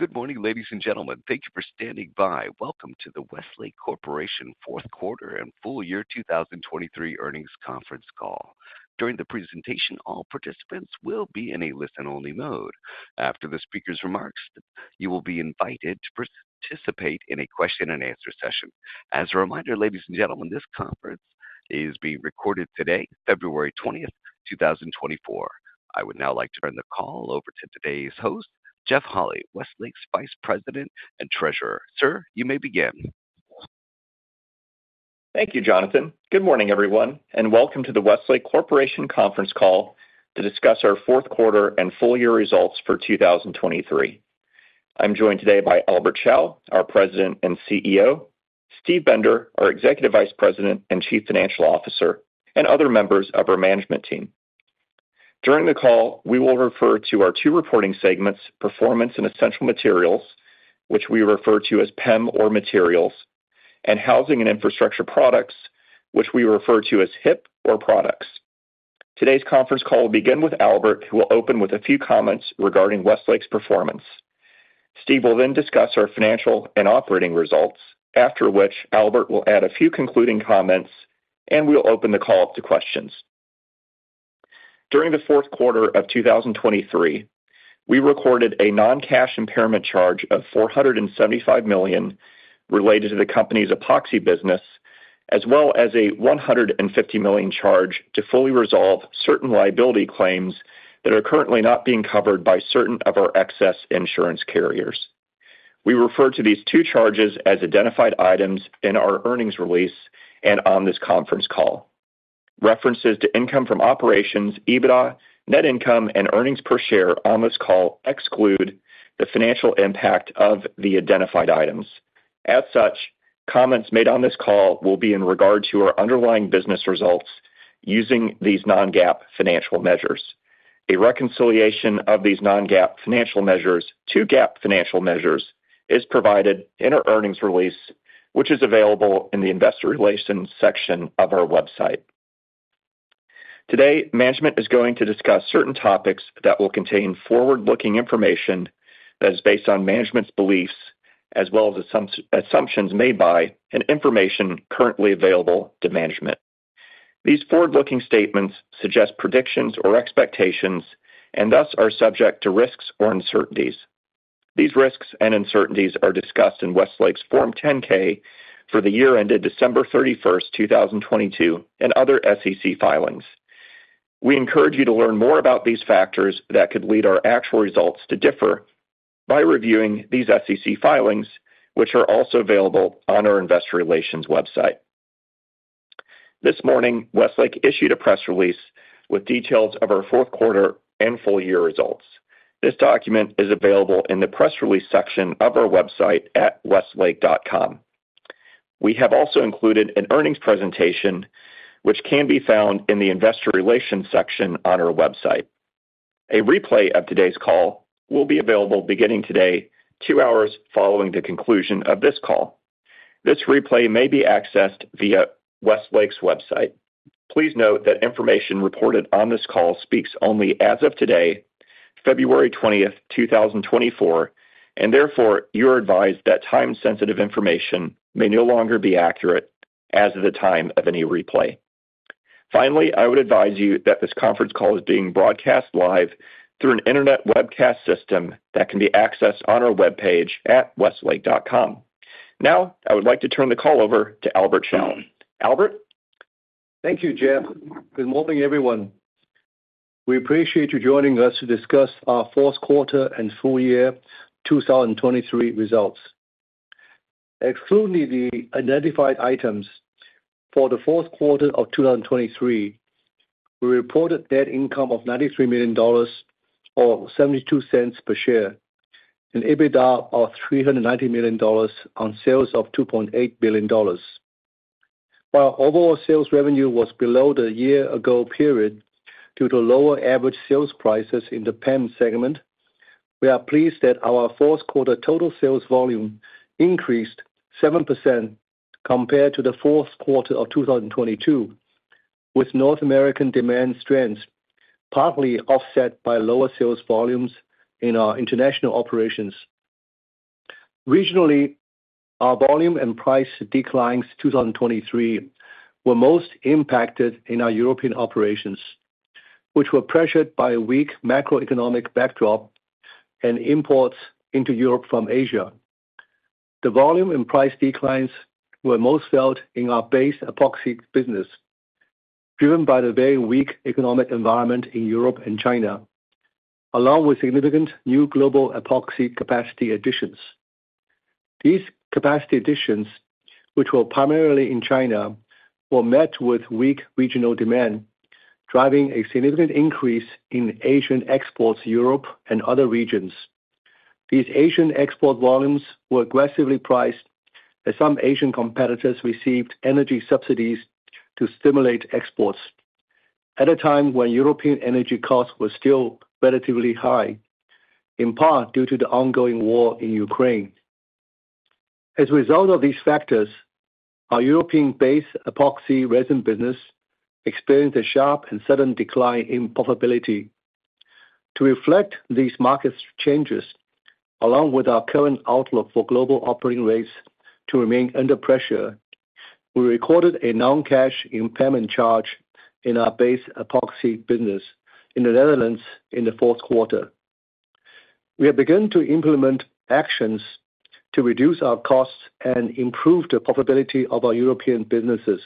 Good morning, ladies and gentlemen. Thank you for standing by. Welcome to the Westlake Corporation fourth quarter and full year 2023 earnings conference call. During the presentation, all participants will be in a listen-only mode. After the speaker's remarks, you will be invited to participate in a question-and-answer session. As a reminder, ladies and gentlemen, this conference is being recorded today, February 20th, 2024. I would now like to turn the call over to today's host, Jeff Holy, Westlake's Vice President and Treasurer. Sir, you may begin. Thank you, Jonathan. Good morning, everyone, and welcome to the Westlake Corporation conference call to discuss our fourth quarter and full year results for 2023. I'm joined today by Albert Chao, our President and CEO, Steve Bender, our Executive Vice President and Chief Financial Officer, and other members of our management team. During the call, we will refer to our two reporting segments, Performance and Essential Materials, which we refer to as PEM or Materials, and Housing and Infrastructure Products, which we refer to as HIP or Products. Today's conference call will begin with Albert, who will open with a few comments regarding Westlake's performance. Steve will then discuss our financial and operating results, after which Albert will add a few concluding comments, and we'll open the call up to questions. During the fourth quarter of 2023, we recorded a non-cash impairment charge of $475 million related to the company's epoxy business, as well as a $150 million charge to fully resolve certain liability claims that are currently not being covered by certain of our excess insurance carriers. We refer to these two charges as identified items in our earnings release and on this conference call. References to income from operations, EBITDA, net income, and earnings per share on this call exclude the financial impact of the identified items. As such, comments made on this call will be in regard to our underlying business results using these non-GAAP financial measures. A reconciliation of these non-GAAP financial measures to GAAP financial measures is provided in our earnings release, which is available in the investor relations section of our website. Today, management is going to discuss certain topics that will contain forward-looking information that is based on management's beliefs, as well as assumptions made by and information currently available to management. These forward-looking statements suggest predictions or expectations and thus are subject to risks or uncertainties. These risks and uncertainties are discussed in Westlake's Form 10-K for the year ended December 31, 2022, and other SEC filings. We encourage you to learn more about these factors that could lead our actual results to differ by reviewing these SEC filings, which are also available on our investor relations website. This morning, Westlake issued a press release with details of our fourth quarter and full year results. This document is available in the press release section of our website at westlake.com. We have also included an earnings presentation, which can be found in the investor relations section on our website. A replay of today's call will be available beginning today, two hours following the conclusion of this call. This replay may be accessed via Westlake's website. Please note that information reported on this call speaks only as of today, February 20th, 2024, and therefore, you are advised that time-sensitive information may no longer be accurate as of the time of any replay. Finally, I would advise you that this conference call is being broadcast live through an internet webcast system that can be accessed on our webpage at westlake.com. Now, I would like to turn the call over to Albert Chao. Albert? Thank you, Jeff. Good morning, everyone. We appreciate you joining us to discuss our fourth quarter and full year 2023 results. Excluding the identified items, for the fourth quarter of 2023, we reported net income of $93 million, or $0.72 per share, and EBITDA of $390 million on sales of $2.8 billion. While overall sales revenue was below the year ago period due to lower average sales prices in the PEM segment, we are pleased that our fourth quarter total sales volume increased 7% compared to the fourth quarter of 2022, with North American demand strength partly offset by lower sales volumes in our international operations. Regionally, our volume and price declines in 2023 were most impacted in our European operations, which were pressured by a weak macroeconomic backdrop and imports into Europe from Asia. The volume and price declines were most felt in our base epoxy business, driven by the very weak economic environment in Europe and China, along with significant new global epoxy capacity additions. These capacity additions, which were primarily in China, were met with weak regional demand, driving a significant increase in Asian exports to Europe and other regions. These Asian export volumes were aggressively priced, as some Asian competitors received energy subsidies to stimulate exports at a time when European energy costs were still relatively high, in part due to the ongoing war in Ukraine. As a result of these factors, our European-based epoxy resin business experienced a sharp and sudden decline in profitability. To reflect these market changes, along with our current outlook for global operating rates to remain under pressure, we recorded a non-cash impairment charge in our base epoxy business in the Netherlands in the fourth quarter. We have begun to implement actions to reduce our costs and improve the profitability of our European businesses.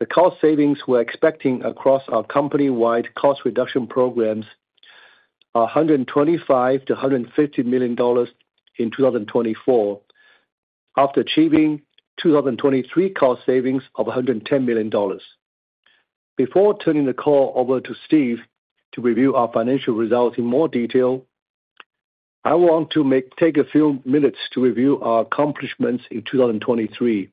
The cost savings we're expecting across our company-wide cost reduction programs are $125 million-$150 million in 2024, after achieving 2023 cost savings of $110 million. Before turning the call over to Steve to review our financial results in more detail, I want to take a few minutes to review our accomplishments in 2023.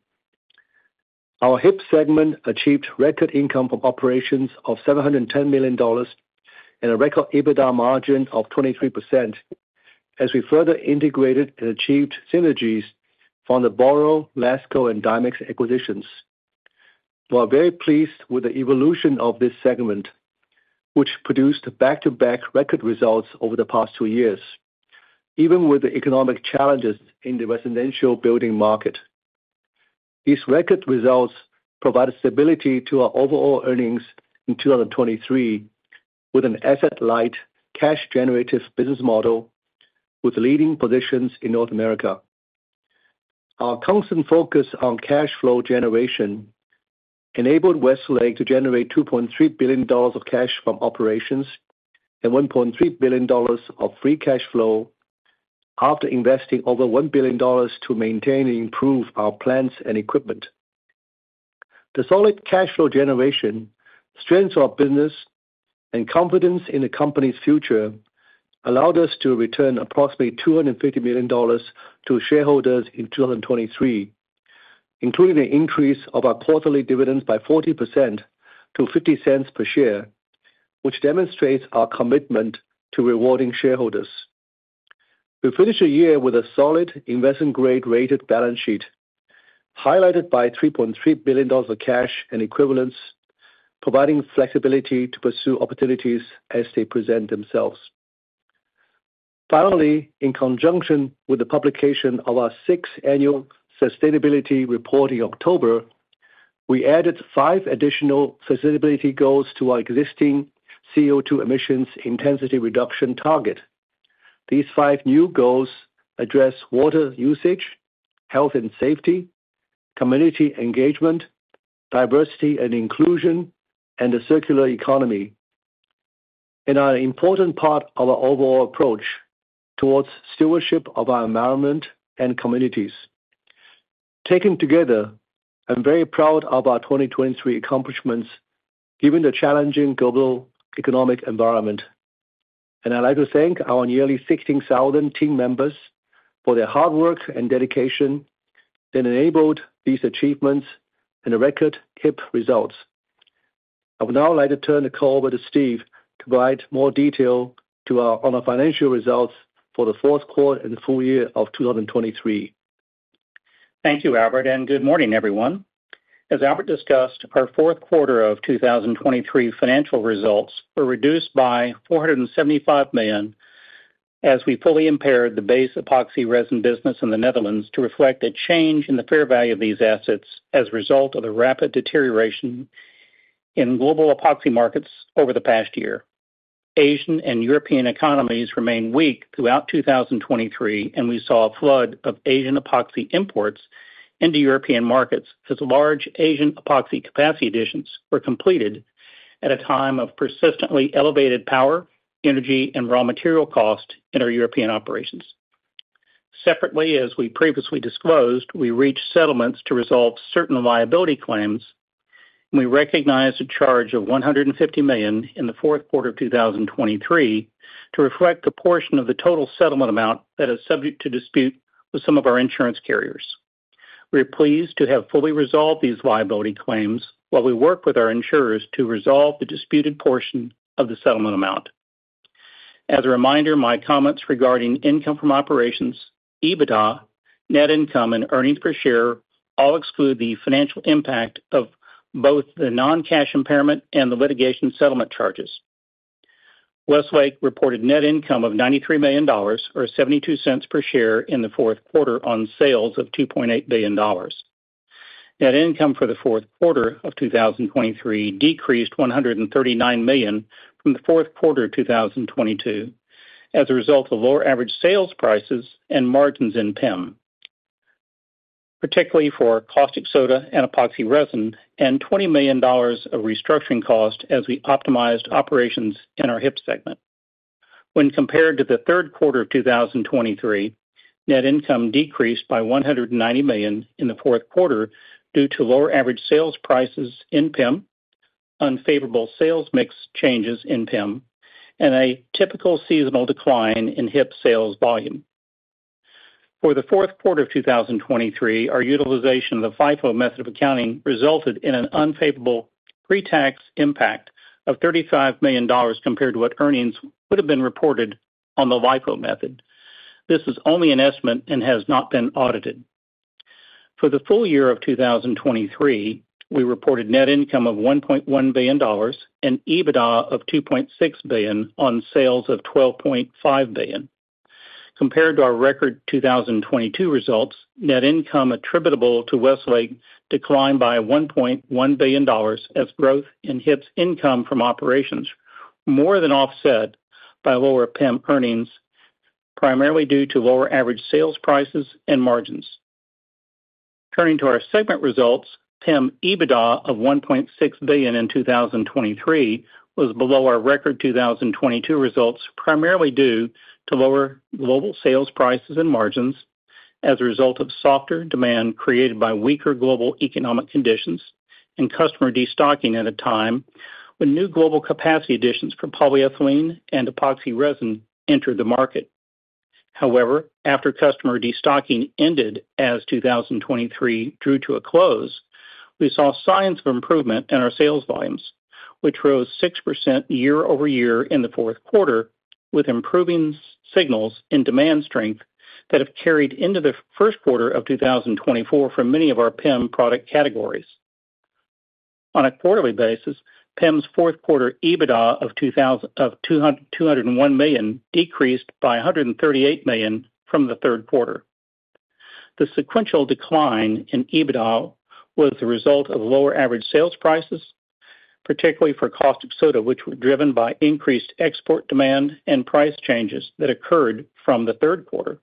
Our HIP segment achieved record income from operations of $710 million and a record EBITDA margin of 23%, as we further integrated and achieved synergies from the Boral, LASCO, and Dimex acquisitions. We are very pleased with the evolution of this segment, which produced back-to-back record results over the past two years, even with the economic challenges in the residential building market. These record results provided stability to our overall earnings in 2023, with an asset-light, cash-generative business model with leading positions in North America. Our constant focus on cash flow generation enabled Westlake to generate $2.3 billion of cash from operations and $1.3 billion of free cash flow after investing over $1 billion to maintain and improve our plants and equipment. The solid cash flow generation strengthens our business, and confidence in the company's future allowed us to return approximately $250 million to shareholders in 2023, including an increase of our quarterly dividends by 40% to $0.50 per share, which demonstrates our commitment to rewarding shareholders. We finish the year with a solid investment-grade rated balance sheet, highlighted by $3.3 billion of cash and equivalents, providing flexibility to pursue opportunities as they present themselves. Finally, in conjunction with the publication of our sixth annual sustainability report in October, we added five additional sustainability goals to our existing CO2 emissions intensity reduction target. These five new goals address water usage, health and safety, community engagement, diversity and inclusion, and the circular economy, and are an important part of our overall approach towards stewardship of our environment and communities. Taken together, I'm very proud of our 2023 accomplishments, given the challenging global economic environment, and I'd like to thank our nearly 16,000 team members for their hard work and dedication that enabled these achievements and the record HIP results. I would now like to turn the call over to Steve to provide more detail on our financial results for the fourth quarter and the full year of 2023. Thank you, Albert, and good morning, everyone. As Albert discussed, our fourth quarter of 2023 financial results were reduced by $475 million, as we fully impaired the base epoxy resin business in the Netherlands to reflect a change in the fair value of these assets as a result of the rapid deterioration in global epoxy markets over the past year. Asian and European economies remained weak throughout 2023, and we saw a flood of Asian epoxy imports into European markets, as large Asian epoxy capacity additions were completed at a time of persistently elevated power, energy, and raw material cost in our European operations. Separately, as we previously disclosed, we reached settlements to resolve certain liability claims, and we recognized a charge of $150 million in the fourth quarter of 2023 to reflect the portion of the total settlement amount that is subject to dispute with some of our insurance carriers. We are pleased to have fully resolved these liability claims while we work with our insurers to resolve the disputed portion of the settlement amount. As a reminder, my comments regarding income from operations, EBITDA, net income, and earnings per share all exclude the financial impact of both the non-cash impairment and the litigation settlement charges. Westlake reported net income of $93 million, or $0.72 per share, in the fourth quarter on sales of $2.8 billion. Net income for the fourth quarter of 2023 decreased $139 million from the fourth quarter of 2022, as a result of lower average sales prices and margins in PEM, particularly for caustic soda and epoxy resin, and $20 million of restructuring cost as we optimized operations in our HIP segment. When compared to the third quarter of 2023, net income decreased by $190 million in the fourth quarter due to lower average sales prices in PEM, unfavorable sales mix changes in PEM, and a typical seasonal decline in HIP sales volume. For the fourth quarter of 2023, our utilization of the FIFO method of accounting resulted in an unfavorable pre-tax impact of $35 million compared to what earnings would have been report ed on the LIFO method. This is only an estimate and has not been audited. For the full year of 2023, we reported net income of $1.1 billion and EBITDA of $2.6 billion on sales of $12.5 billion. Compared to our record 2022 results, net income attributable to Westlake declined by $1.1 billion as growth in HIP's income from operations more than offset by lower PEM earnings, primarily due to lower average sales, prices, and margins. Turning to our segment results, PEM EBITDA of $1.6 billion in 2023 was below our record 2022 results, primarily due to lower global sales, prices, and margins as a result of softer demand created by weaker global economic conditions and customer destocking at a time when new global capacity additions from polyethylene and epoxy resin entered the market. However, after customer destocking ended as 2023 drew to a close, we saw signs of improvement in our sales volumes, which rose 6% year-over-year in the fourth quarter, with improving signs and demand strength that have carried into the first quarter of 2024 for many of our PEM product categories. On a quarterly basis, PEM's fourth quarter EBITDA of $201 million decreased by $138 million from the third quarter. The sequential decline in EBITDA was the result of lower average sales prices, particularly for caustic soda, which were driven by increased export demand and price changes that occurred from the third quarter.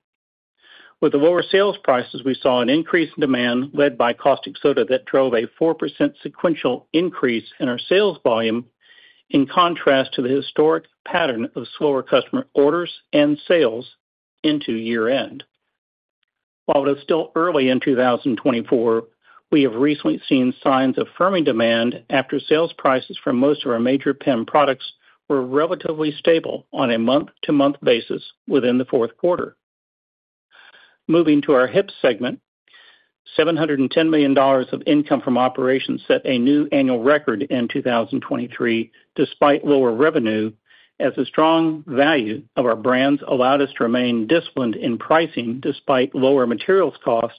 With the lower sales prices, we saw an increase in demand led by caustic soda that drove a 4% sequential increase in our sales volume, in contrast to the historic pattern of slower customer orders and sales into year-end. While it is still early in 2024, we have recently seen signs of firming demand after sales prices for most of our major PEM products were relatively stable on a month-to-month basis within the fourth quarter. Moving to our HIP segment, $710 million of income from operations set a new annual record in 2023, despite lower revenue, as the strong value of our brands allowed us to remain disciplined in pricing despite lower materials costs,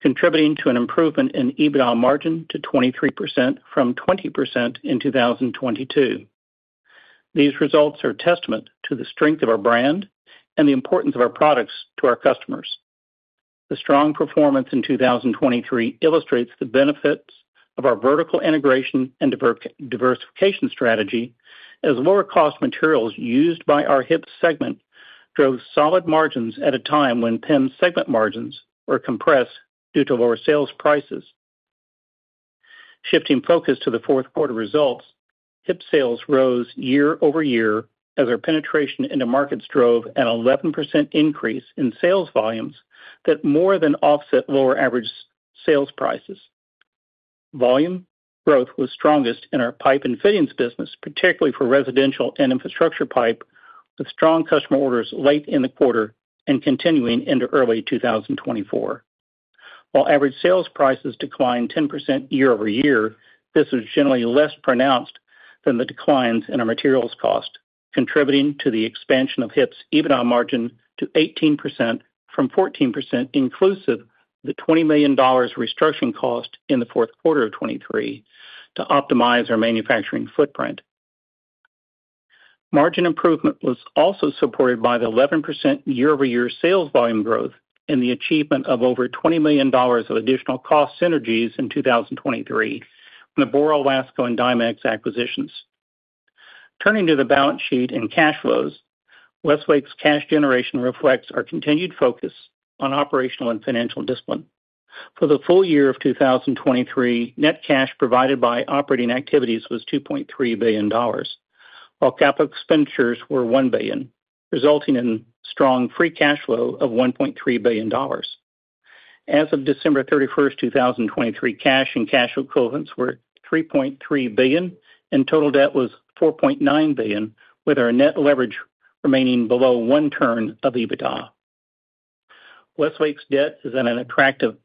contributing to an improvement in EBITDA margin to 23% from 20% in 2022. These results are a testament to the strength of our brand and the importance of our products to our customers. The strong performance in 2023 illustrates the benefits of our vertical integration and diversification strategy, as lower cost materials used by our HIP segment drove solid margins at a time when PEM segment margins were compressed due to lower sales prices. Shifting focus to the fourth quarter results, HIP sales rose year-over-year as our penetration into markets drove an 11% increase in sales volumes that more than offset lower average sales prices. Volume growth was strongest in our pipe and fittings business, particularly for residential and infrastructure pipe, with strong customer orders late in the quarter and continuing into early 2024. While average sales prices declined 10% year-over-year, this was generally less pronounced than the declines in our materials cost, contributing to the expansion of HIP's EBITDA margin to 18% from 14%, inclusive, the $20 million restructuring cost in the fourth quarter of 2023 to optimize our manufacturing footprint. Margin improvement was also supported by the 11% year-over-year sales volume growth and the achievement of over $20 million of additional cost synergies in 2023 from the Boral, LASCO, and Dimex acquisitions. Turning to the balance sheet and cash flows, Westlake's cash generation reflects our continued focus on operational and financial discipline. For the full year of 2023, net cash provided by operating activities was $2.3 billion, while capital expenditures were $1 billion, resulting in strong free cash flow of $1.3 billion. As of December 31, 2023, cash and cash equivalents were $3.3 billion, and total debt was $4.9 billion, with our net leverage remaining below 1x EBITDA. Westlake's debt is at an attractive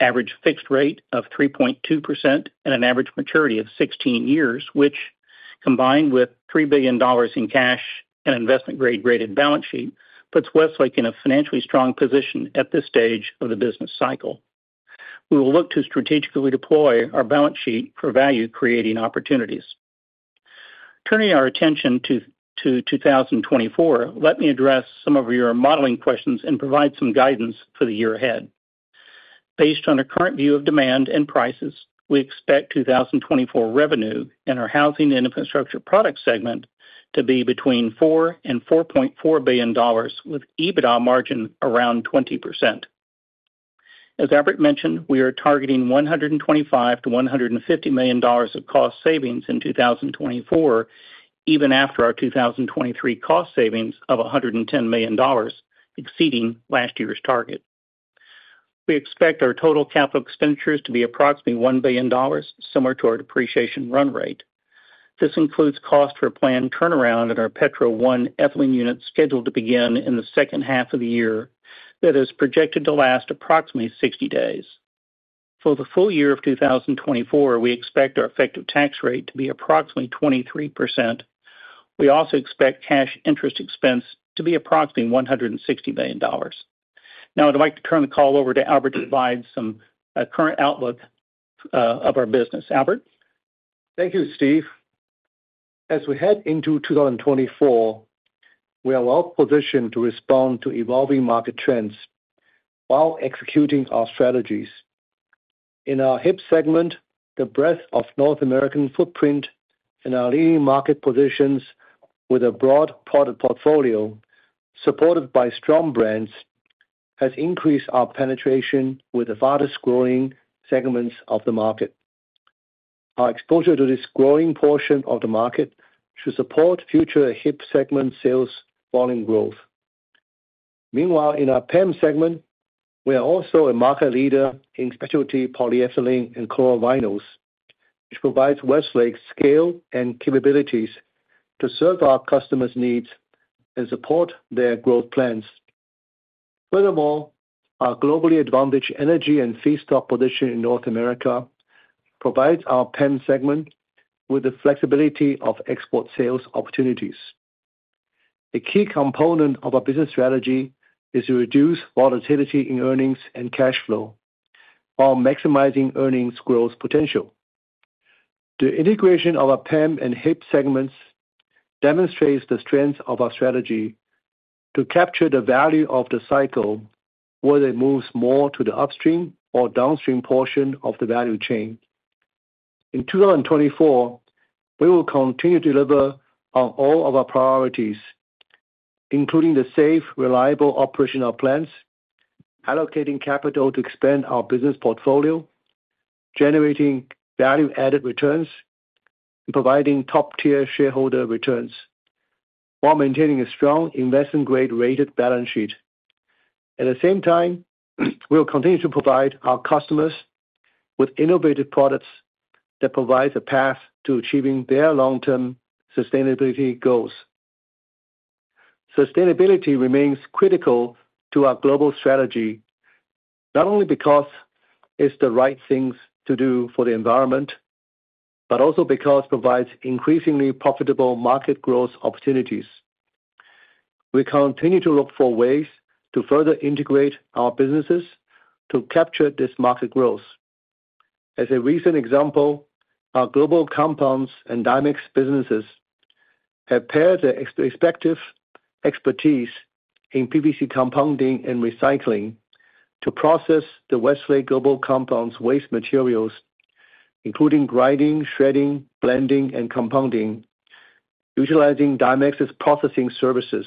average fixed rate of 3.2% and an average maturity of 16 years, which, combined with $3 billion in cash and investment grade rated balance sheet, puts Westlake in a financially strong position at this stage of the business cycle. We will look to strategically deploy our balance sheet for value-creating opportunities. Turning our attention to 2024, let me address some of your modeling questions and provide some guidance for the year ahead. Based on the current view of demand and prices, we expect 2024 revenue in our housing and infrastructure product segment to be between $4 billion and $4.4 billion, with EBITDA margin around 20%. As Albert mentioned, we are targeting $125 million-$150 million of cost savings in 2024, even after our 2023 cost savings of $110 million, exceeding last year's target. We expect our total capital expenditures to be approximately $1 billion, similar to our depreciation run rate... this includes cost for a planned turnaround at our Petro I ethylene unit, scheduled to begin in the second half of the year, that is projected to last approximately 60 days. For the full year of 2024, we expect our effective tax rate to be approximately 23%. We also expect cash interest expense to be approximately $160 million. Now, I'd like to turn the call over to Albert, to provide some current outlook of our business. Albert? Thank you, Steve. As we head into 2024, we are well positioned to respond to evolving market trends while executing our strategies. In our HIP segment, the breadth of North American footprint and our leading market positions with a broad product portfolio, supported by strong brands, has increased our penetration with the fastest-growing segments of the market. Our exposure to this growing portion of the market should support future HIP segment sales volume growth. Meanwhile, in our PEM segment, we are also a market leader in specialty polyethylene and chlorovinyls, which provides Westlake scale and capabilities to serve our customers' needs and support their growth plans. Furthermore, our globally advantaged energy and feedstock position in North America provides our PEM segment with the flexibility of export sales opportunities. A key component of our business strategy is to reduce volatility in earnings and cash flow while maximizing earnings growth potential. The integration of our PEM and HIP segments demonstrates the strength of our strategy to capture the value of the cycle, whether it moves more to the upstream or downstream portion of the value chain. In 2024, we will continue to deliver on all of our priorities, including the safe, reliable operation of plants, allocating capital to expand our business portfolio, generating value-added returns, and providing top-tier shareholder returns while maintaining a strong investment-grade rated balance sheet. At the same time, we will continue to provide our customers with innovative products that provide a path to achieving their long-term sustainability goals. Sustainability remains critical to our global strategy, not only because it's the right things to do for the environment, but also because it provides increasingly profitable market growth opportunities. We continue to look for ways to further integrate our businesses to capture this market growth. As a recent example, our Global Compounds and Dimex businesses have paired their respective expertise in PVC compounding and recycling to process the Westlake Global Compounds waste materials, including grinding, shredding, blending, and compounding, utilizing Dimex's processing services.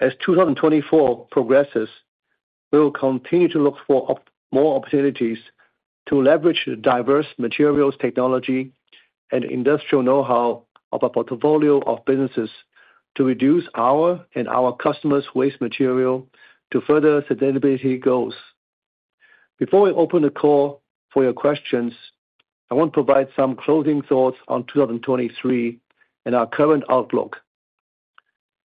As 2024 progresses, we will continue to look for more opportunities to leverage the diverse materials technology and industrial know-how of our portfolio of businesses to reduce our and our customers' waste material to further sustainability goals. Before we open the call for your questions, I want to provide some closing thoughts on 2023 and our current outlook.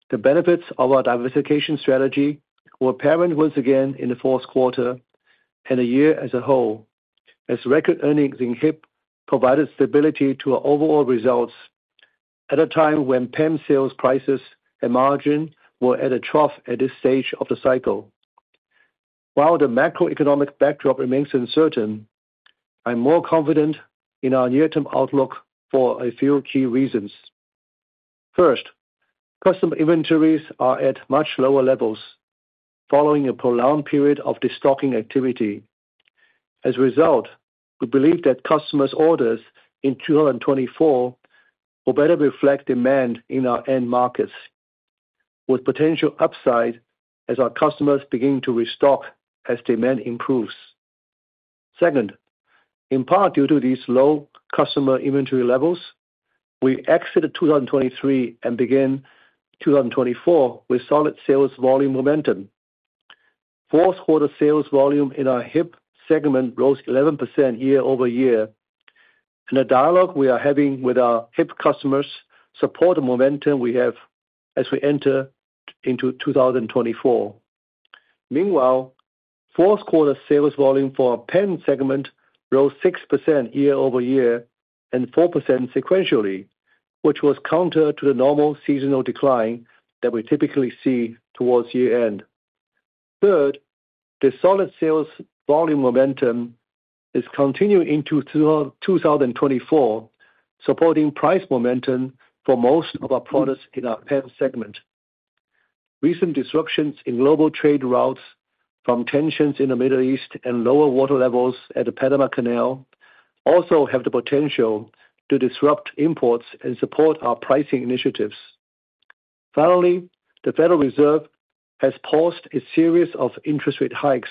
The benefits of our diversification strategy were apparent once again in the fourth quarter and the year as a whole, as record earnings in HIP provided stability to our overall results at a time when PEM sales prices and margin were at a trough at this stage of the cycle. While the macroeconomic backdrop remains uncertain, I'm more confident in our near-term outlook for a few key reasons. First, customer inventories are at much lower levels, following a prolonged period of destocking activity. As a result, we believe that customers' orders in 2024 will better reflect demand in our end markets, with potential upside as our customers begin to restock as demand improves. Second, in part, due to these low customer inventory levels, we exited 2023 and began 2024 with solid sales volume momentum. Fourth quarter sales volume in our HIP segment rose 11% year-over-year, and the dialogue we are having with our HIP customers support the momentum we have as we enter into 2024. Meanwhile, fourth quarter sales volume for our PEM segment rose 6% year-over-year and 4% sequentially, which was counter to the normal seasonal decline that we typically see towards year-end. Third, the solid sales volume momentum is continuing into 2024, supporting price momentum for most of our products in our PEM segment. Recent disruptions in global trade routes from tensions in the Middle East and lower water levels at the Panama Canal also have the potential to disrupt imports and support our pricing initiatives. Finally, the Federal Reserve has paused a series of interest rate hikes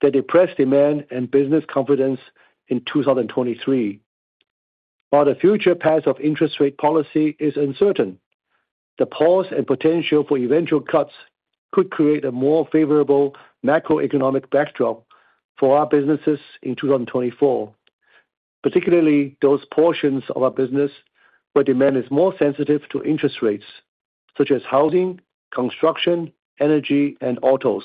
that depressed demand and business confidence in 2023. While the future path of interest rate policy is uncertain, the pause and potential for eventual cuts could create a more favorable macroeconomic backdrop for our businesses in 2024, particularly those portions of our business where demand is more sensitive to interest rates, such as housing, construction, energy, and autos.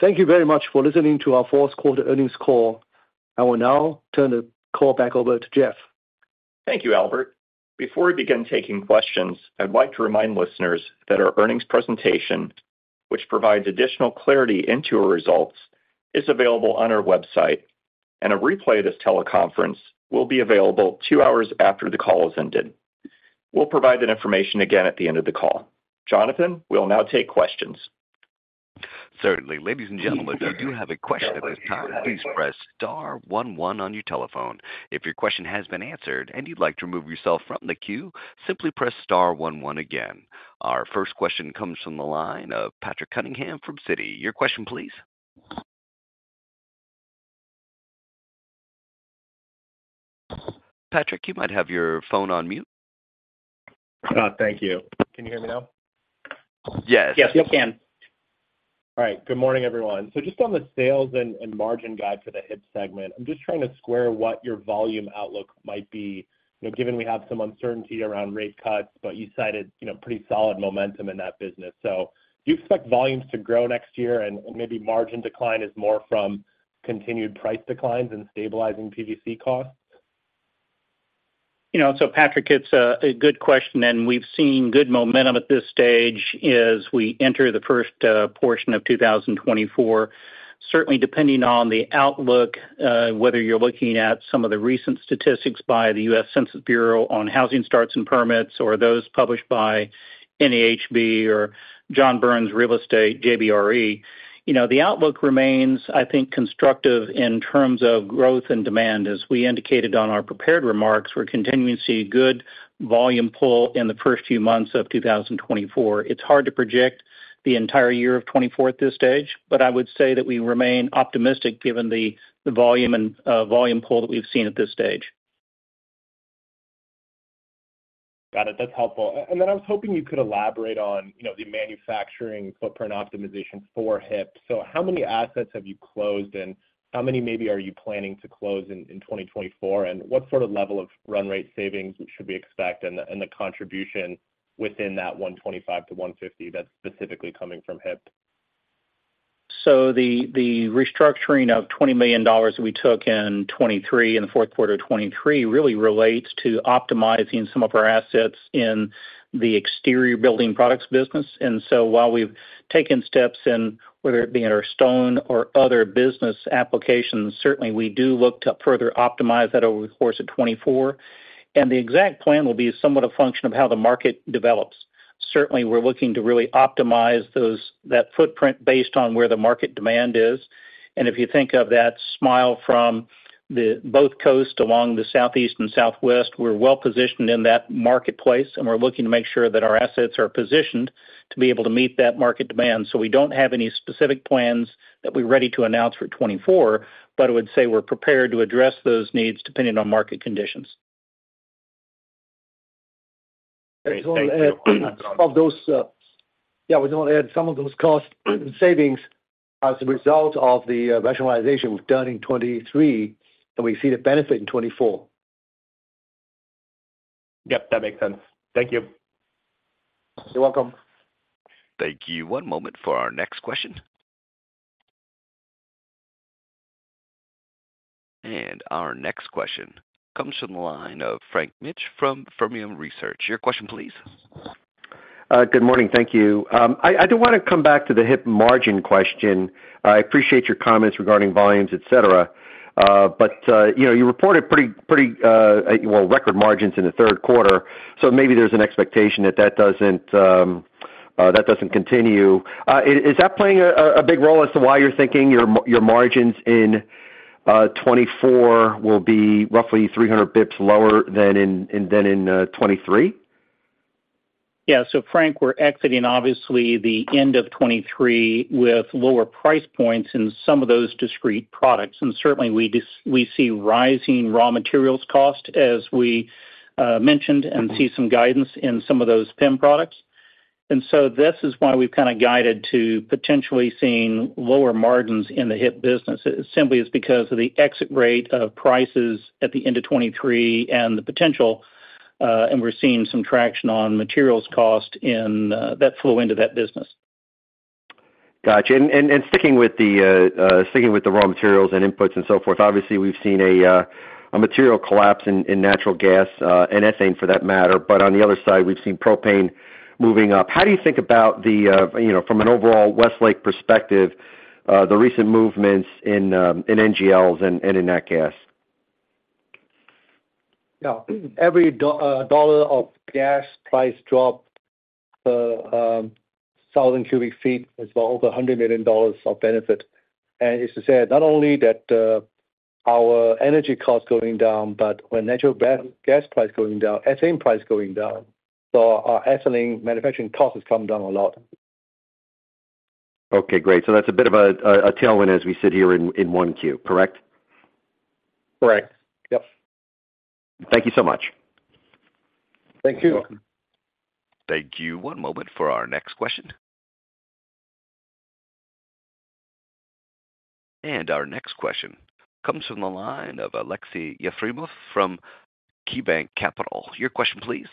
Thank you very much for listening to our fourth quarter earnings call. I will now turn the call back over to Jeff. Thank you, Albert. Before we begin taking questions, I'd like to remind listeners that our earnings presentation, which provides additional clarity into our results, is available on our website, and a replay of this teleconference will be available two hours after the call has ended. We'll provide that information again at the end of the call. Jonathan, we'll now take questions. Certainly. Ladies and gentlemen, if you do have a question at this time, please press star one one on your telephone. If your question has been answered and you'd like to remove yourself from the queue, simply press star one one again. Our first question comes from the line of Patrick Cunningham from Citi. Your question, please. Patrick, you might have your phone on mute. Thank you. Can you hear me now? Yes. Yes, we can. All right. Good morning, everyone. So just on the sales and margin guide for the HIP segment, I'm just trying to square what your volume outlook might be, you know, given we have some uncertainty around rate cuts, but you cited, you know, pretty solid momentum in that business. So do you expect volumes to grow next year and maybe margin decline is more from continued price declines and stabilizing PVC costs? You know, so Patrick, it's a good question, and we've seen good momentum at this stage as we enter the first portion of 2024. Certainly, depending on the outlook, whether you're looking at some of the recent statistics by the U.S. Census Bureau on housing starts and permits, or those published by NAHB or John Burns Real Estate, JBRE, you know, the outlook remains, I think, constructive in terms of growth and demand. As we indicated on our prepared remarks, we're continuing to see good volume pull in the first few months of 2024. It's hard to project the entire year of 2024 at this stage, but I would say that we remain optimistic given the volume and volume pull that we've seen at this stage. Got it. That's helpful. And then I was hoping you could elaborate on, you know, the manufacturing footprint optimization for HIP. So how many assets have you closed, and how many maybe are you planning to close in 2024? And what sort of level of run rate savings should we expect and the contribution within that $125 million-$150 million that's specifically coming from HIP? So the restructuring of $20 million we took in 2023, in the fourth quarter of 2023, really relates to optimizing some of our assets in the exterior building products business. And so while we've taken steps in whether it be in our stone or other business applications, certainly we do look to further optimize that over the course of 2024. And the exact plan will be somewhat a function of how the market develops. Certainly, we're looking to really optimize those, that footprint based on where the market demand is. And if you think of that smile from the both coasts along the southeast and southwest, we're well positioned in that marketplace, and we're looking to make sure that our assets are positioned to be able to meet that market demand. We don't have any specific plans that we're ready to announce for 2024, but I would say we're prepared to address those needs depending on market conditions. Great. Thank you. Of those, yeah, we want to add some of those cost savings as a result of the rationalization we've done in 2023, and we see the benefit in 2024. Yep, that makes sense. Thank you. You're welcome. Thank you. One moment for our next question. Our next question comes from the line of Frank Mitsch from Fermium Research. Your question, please. Good morning. Thank you. I do wanna come back to the HIP margin question. I appreciate your comments regarding volumes, et cetera, but you know, you reported pretty well record margins in the third quarter, so maybe there's an expectation that that doesn't continue. Is that playing a big role as to why you're thinking your margins in 2024 will be roughly 300 basis points lower than in 2023? Yeah. So Frank, we're exiting obviously the end of 2023 with lower price points in some of those discrete products, and certainly we see rising raw materials cost, as we mentioned, and see some guidance in some of those PEM products. And so this is why we've kind of guided to potentially seeing lower margins in the HIP business. It simply is because of the exit rate of prices at the end of 2023 and the potential, and we're seeing some traction on materials cost in that flow into that business. Gotcha. And sticking with the raw materials and inputs and so forth, obviously we've seen a material collapse in natural gas and ethane for that matter, but on the other side, we've seen propane moving up. How do you think about the, you know, from an overall Westlake perspective, the recent movements in NGLs and in nat gas? Yeah. Every dollar of gas price drop, thousand cubic feet is worth over $100 million of benefit. And it's to say, not only that, our energy costs going down, but when natural gas price going down, ethane price going down, so our ethylene manufacturing cost has come down a lot. Okay, great. So that's a bit of a tailwind as we sit here in 1Q, correct? Correct. Yep. Thank you so much. Thank you. Thank you. One moment for our next question. Our next question comes from the line of Aleksey Yefremov from KeyBanc Capital Markets. Your question, please.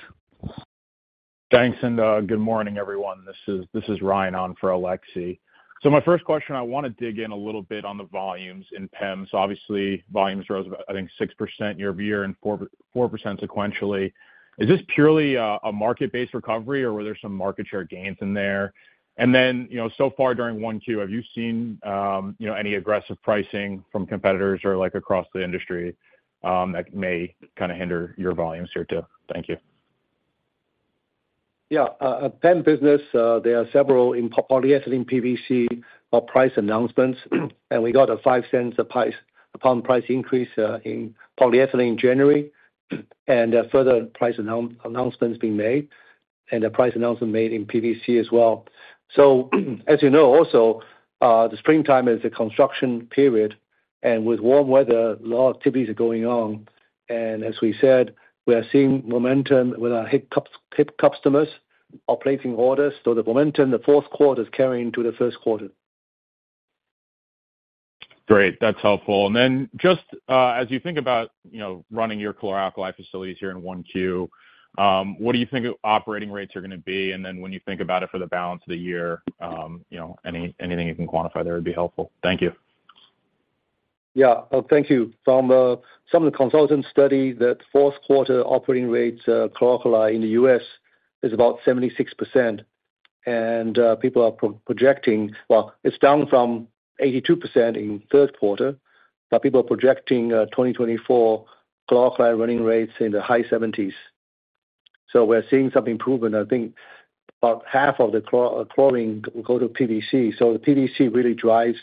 Thanks, and good morning, everyone. This is Ryan on for Alexi. So my first question, I wanna dig in a little bit on the volumes in PEM. So obviously, volumes rose about, I think, 6% year-over-year and 4% sequentially. Is this purely a market-based recovery, or were there some market share gains in there? And then, you know, so far during 1Q, have you seen, you know, any aggressive pricing from competitors or, like, across the industry, that may kind of hinder your volumes here, too? Thank you. Yeah. PEM business, there are several in polyethylene PVC price announcements, and we got a $0.05 per pound price increase in polyethylene in January, and there are further price announcements being made, and a price announcement made in PVC as well. So as you know, also, the springtime is a construction period, and with warm weather, a lot of activities are going on. And as we said, we are seeing momentum with our HIP customers are placing orders, so the momentum, the fourth quarter is carrying into the first quarter. Great, that's helpful. And then just, as you think about, you know, running your chlor-alkali facilities here in 1Q, what do you think operating rates are gonna be? And then when you think about it for the balance of the year, you know, anything you can quantify there would be helpful. Thank you. Yeah. Thank you. From some of the consultant study, that fourth quarter operating rates, chlor-alkali in the U.S. is about 76%, and people are projecting. Well, it's down from 82% in third quarter, but people are projecting, 2024 chlor-alkali running rates in the high 70s. So we're seeing some improvement. I think about half of the chlorine go to PVC. So the PVC really drives,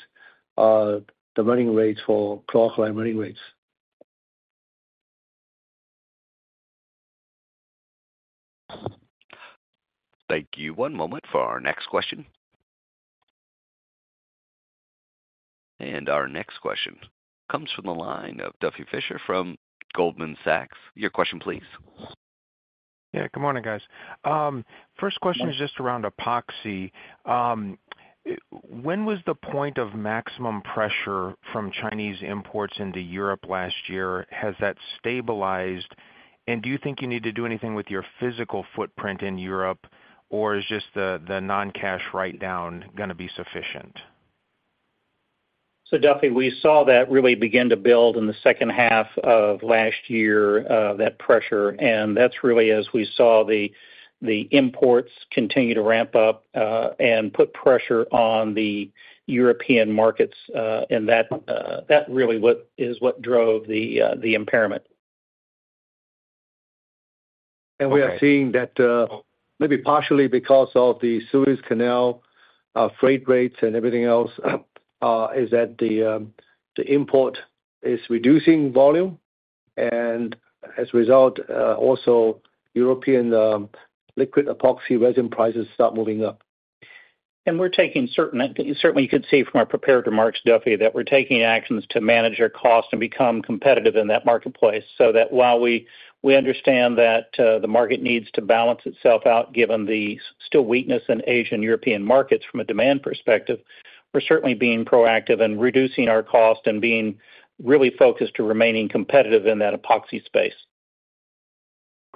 the running rates for chlor-alkali running rates. Thank you. One moment for our next question. Our next question comes from the line of Duffy Fischer from Goldman Sachs. Your question, please. Yeah, good morning, guys. First question is just around epoxy. When was the point of maximum pressure from Chinese imports into Europe last year? Has that stabilized? And do you think you need to do anything with your physical footprint in Europe, or is just the non-cash write-down gonna be sufficient? So, Duffy, we saw that really begin to build in the second half of last year, that pressure, and that's really as we saw the imports continue to ramp up and put pressure on the European markets, and that really is what drove the impairment. We are seeing that, maybe partially because of the Suez Canal, freight rates and everything else, is that the import is reducing volume, and as a result, also European liquid epoxy resin prices start moving up. And we're taking certain, certainly you can see from our prepared remarks, Duffy, that we're taking actions to manage our cost and become competitive in that marketplace, so that while we, we understand that, the market needs to balance itself out, given the still weakness in Asian-European markets from a demand perspective, we're certainly being proactive in reducing our cost and being really focused to remaining competitive in that epoxy space.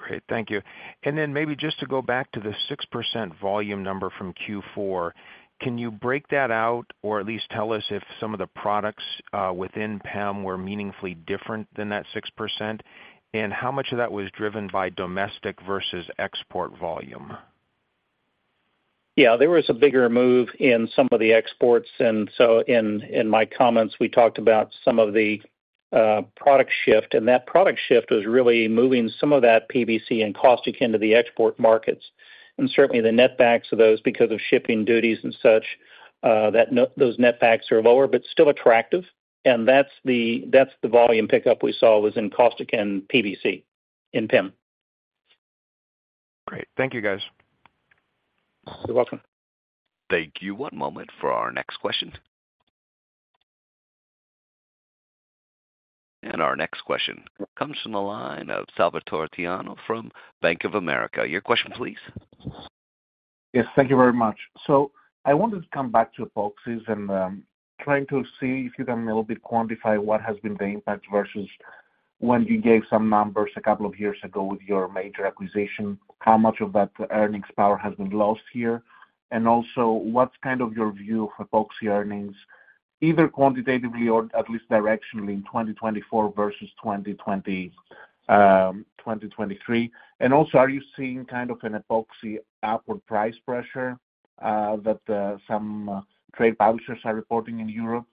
Great. Thank you. And then maybe just to go back to the 6% volume number from Q4, can you break that out, or at least tell us if some of the products within PEM were meaningfully different than that 6%? And how much of that was driven by domestic versus export volume? Yeah, there was a bigger move in some of the exports, and so in my comments, we talked about some of the product shift, and that product shift was really moving some of that PVC and caustic into the export markets. And certainly the netbacks of those, because of shipping duties and such, that those netbacks are lower, but still attractive, and that's the, that's the volume pickup we saw was in caustic and PVC, in PEM. Great. Thank you, guys. You're welcome. Thank you. One moment for our next question. And our next question comes from the line of Salvator Tiano from Bank of America. Your question, please. Yes, thank you very much. So I wanted to come back to Epoxies and, trying to see if you can a little bit quantify what has been the impact versus when you gave some numbers a couple of years ago with your major acquisition, how much of that earnings power has been lost here? And also, what's kind of your view for epoxy earnings, either quantitatively or at least directionally, in 2024 versus 2020, 2023? And also, are you seeing kind of an epoxy upward price pressure, that some trade publishers are reporting in Europe?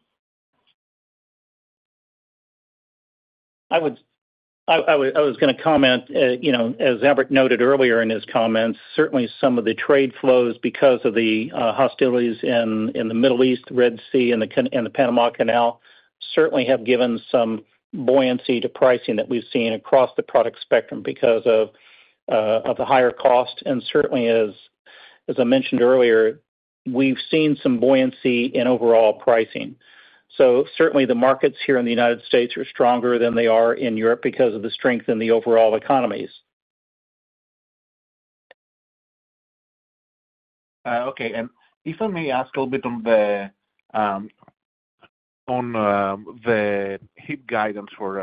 I would, I was gonna comment, you know, as Albert noted earlier in his comments, certainly some of the trade flows, because of the hostilities in the Middle East, the Red Sea, and the Suez Canal and the Panama Canal, certainly have given some buoyancy to pricing that we've seen across the product spectrum because of the higher cost. And certainly as I mentioned earlier, we've seen some buoyancy in overall pricing. So certainly the markets here in the United States are stronger than they are in Europe because of the strength in the overall economies. Okay. And if I may ask a little bit on the HIP guidance for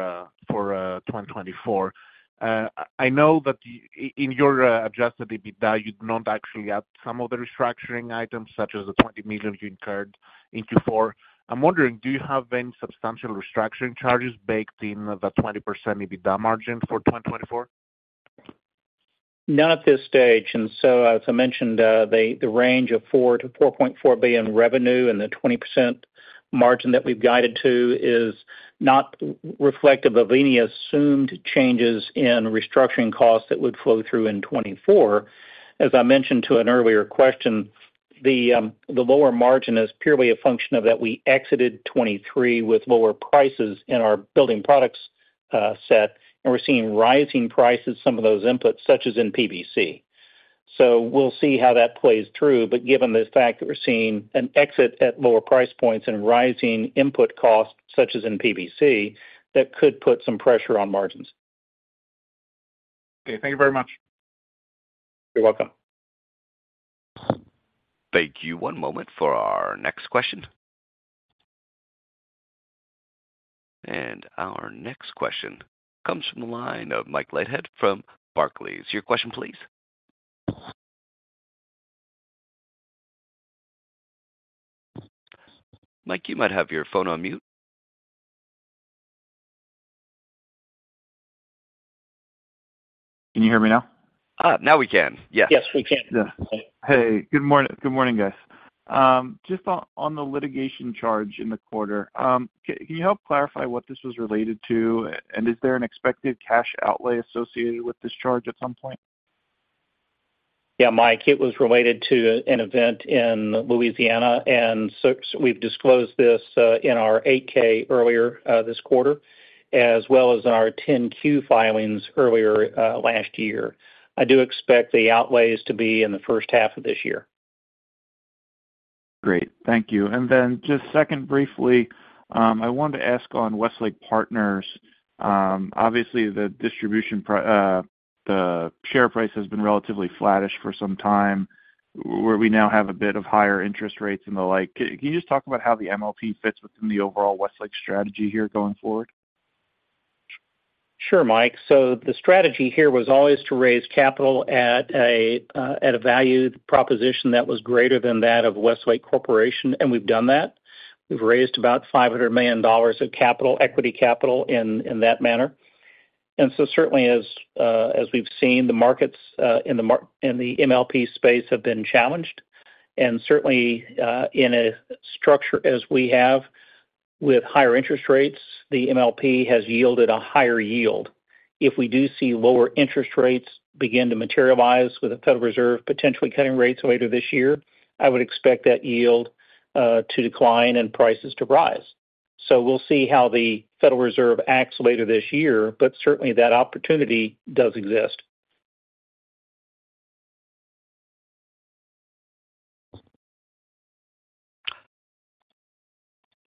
2024. I know that in your adjusted EBITDA, you've not actually got some of the restructuring items, such as the $20 million you incurred in Q4. I'm wondering, do you have any substantial restructuring charges baked in the 20% EBITDA margin for 2024? Not at this stage. And so, as I mentioned, the range of $4 billion-$4.4 billion revenue and the 20% margin that we've guided to is not reflective of any assumed changes in restructuring costs that would flow through in 2024. As I mentioned to an earlier question, the lower margin is purely a function of that we exited 2023 with lower prices in our building products set, and we're seeing rising prices, some of those inputs, such as in PVC. So we'll see how that plays through, but given the fact that we're seeing an exit at lower price points and rising input costs, such as in PVC, that could put some pressure on margins. Okay. Thank you very much. You're welcome. Thank you. One moment for our next question. Our next question comes from the line of Mike Leithead from Barclays. Your question, please. Mike, you might have your phone on mute. Can you hear me now? Now we can, yes. Yes, we can. Yeah. Hey, good morning, good morning, guys. Just on the litigation charge in the quarter, can you help clarify what this was related to, and is there an expected cash outlay associated with this charge at some point? Yeah, Mike, it was related to an event in Louisiana, and so we've disclosed this in our 8-K earlier this quarter, as well as in our 10-Q filings earlier last year. I do expect the outlays to be in the first half of this year. Great. Thank you. And then just second, briefly, I wanted to ask on Westlake Partners. Obviously, the distribution, the share price has been relatively flattish for some time, where we now have a bit of higher interest rates and the like. Can you just talk about how the MLP fits within the overall Westlake strategy here going forward? Sure, Mike. So the strategy here was always to raise capital at a, at a value proposition that was greater than that of Westlake Corporation, and we've done that. We've raised about $500 million of capital, equity capital in that manner. And so certainly as, as we've seen, the markets in the MLP space have been challenged, and certainly, in a structure as we have with higher interest rates, the MLP has yielded a higher yield. If we do see lower interest rates begin to materialize, with the Federal Reserve potentially cutting rates later this year, I would expect that yield to decline and prices to rise. So we'll see how the Federal Reserve acts later this year, but certainly that opportunity does exist.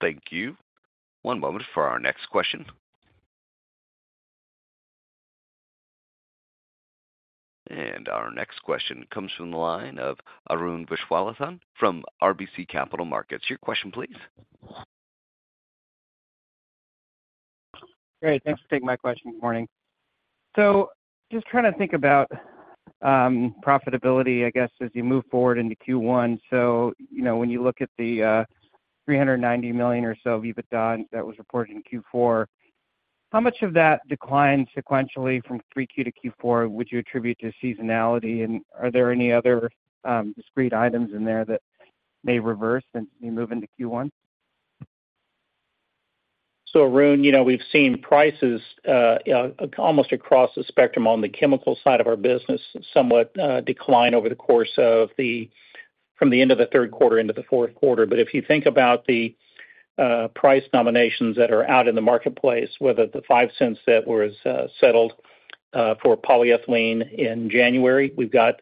Thank you. One moment for our next question. And our next question comes from the line of Arun Viswanathan from RBC Capital Markets. Your question, please. Great, thanks for taking my question. Good morning. So just trying to think about profitability, I guess, as you move forward into Q1. So, you know, when you look at the $390 million or so EBITDA that was reported in Q4, how much of that declined sequentially from 3Q to Q4 would you attribute to seasonality? And are there any other discrete items in there that may reverse as we move into Q1? So, Arun, you know, we've seen prices almost across the spectrum on the chemical side of our business, somewhat decline over the course of, from the end of the third quarter into the fourth quarter. But if you think about the price nominations that are out in the marketplace, whether the $0.05 that was settled for polyethylene in January, we've got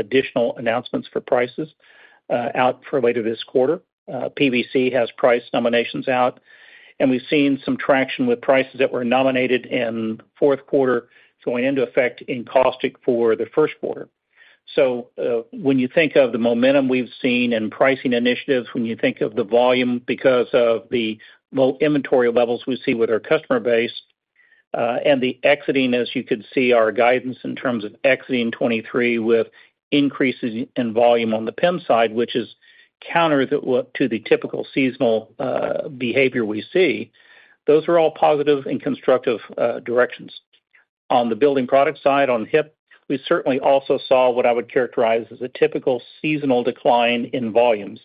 additional announcements for prices out for later this quarter. PVC has price nominations out, and we've seen some traction with prices that were nominated in fourth quarter, going into effect in caustic for the first quarter. So, when you think of the momentum we've seen and pricing initiatives, when you think of the volume, because of the low inventory levels we see with our customer base, and the exiting, as you could see, our guidance in terms of exiting 2023 with increases in volume on the PEM side, which is counter to the typical seasonal behavior we see, those are all positive and constructive directions. On the building product side, on HIP, we certainly also saw what I would characterize as a typical seasonal decline in volumes,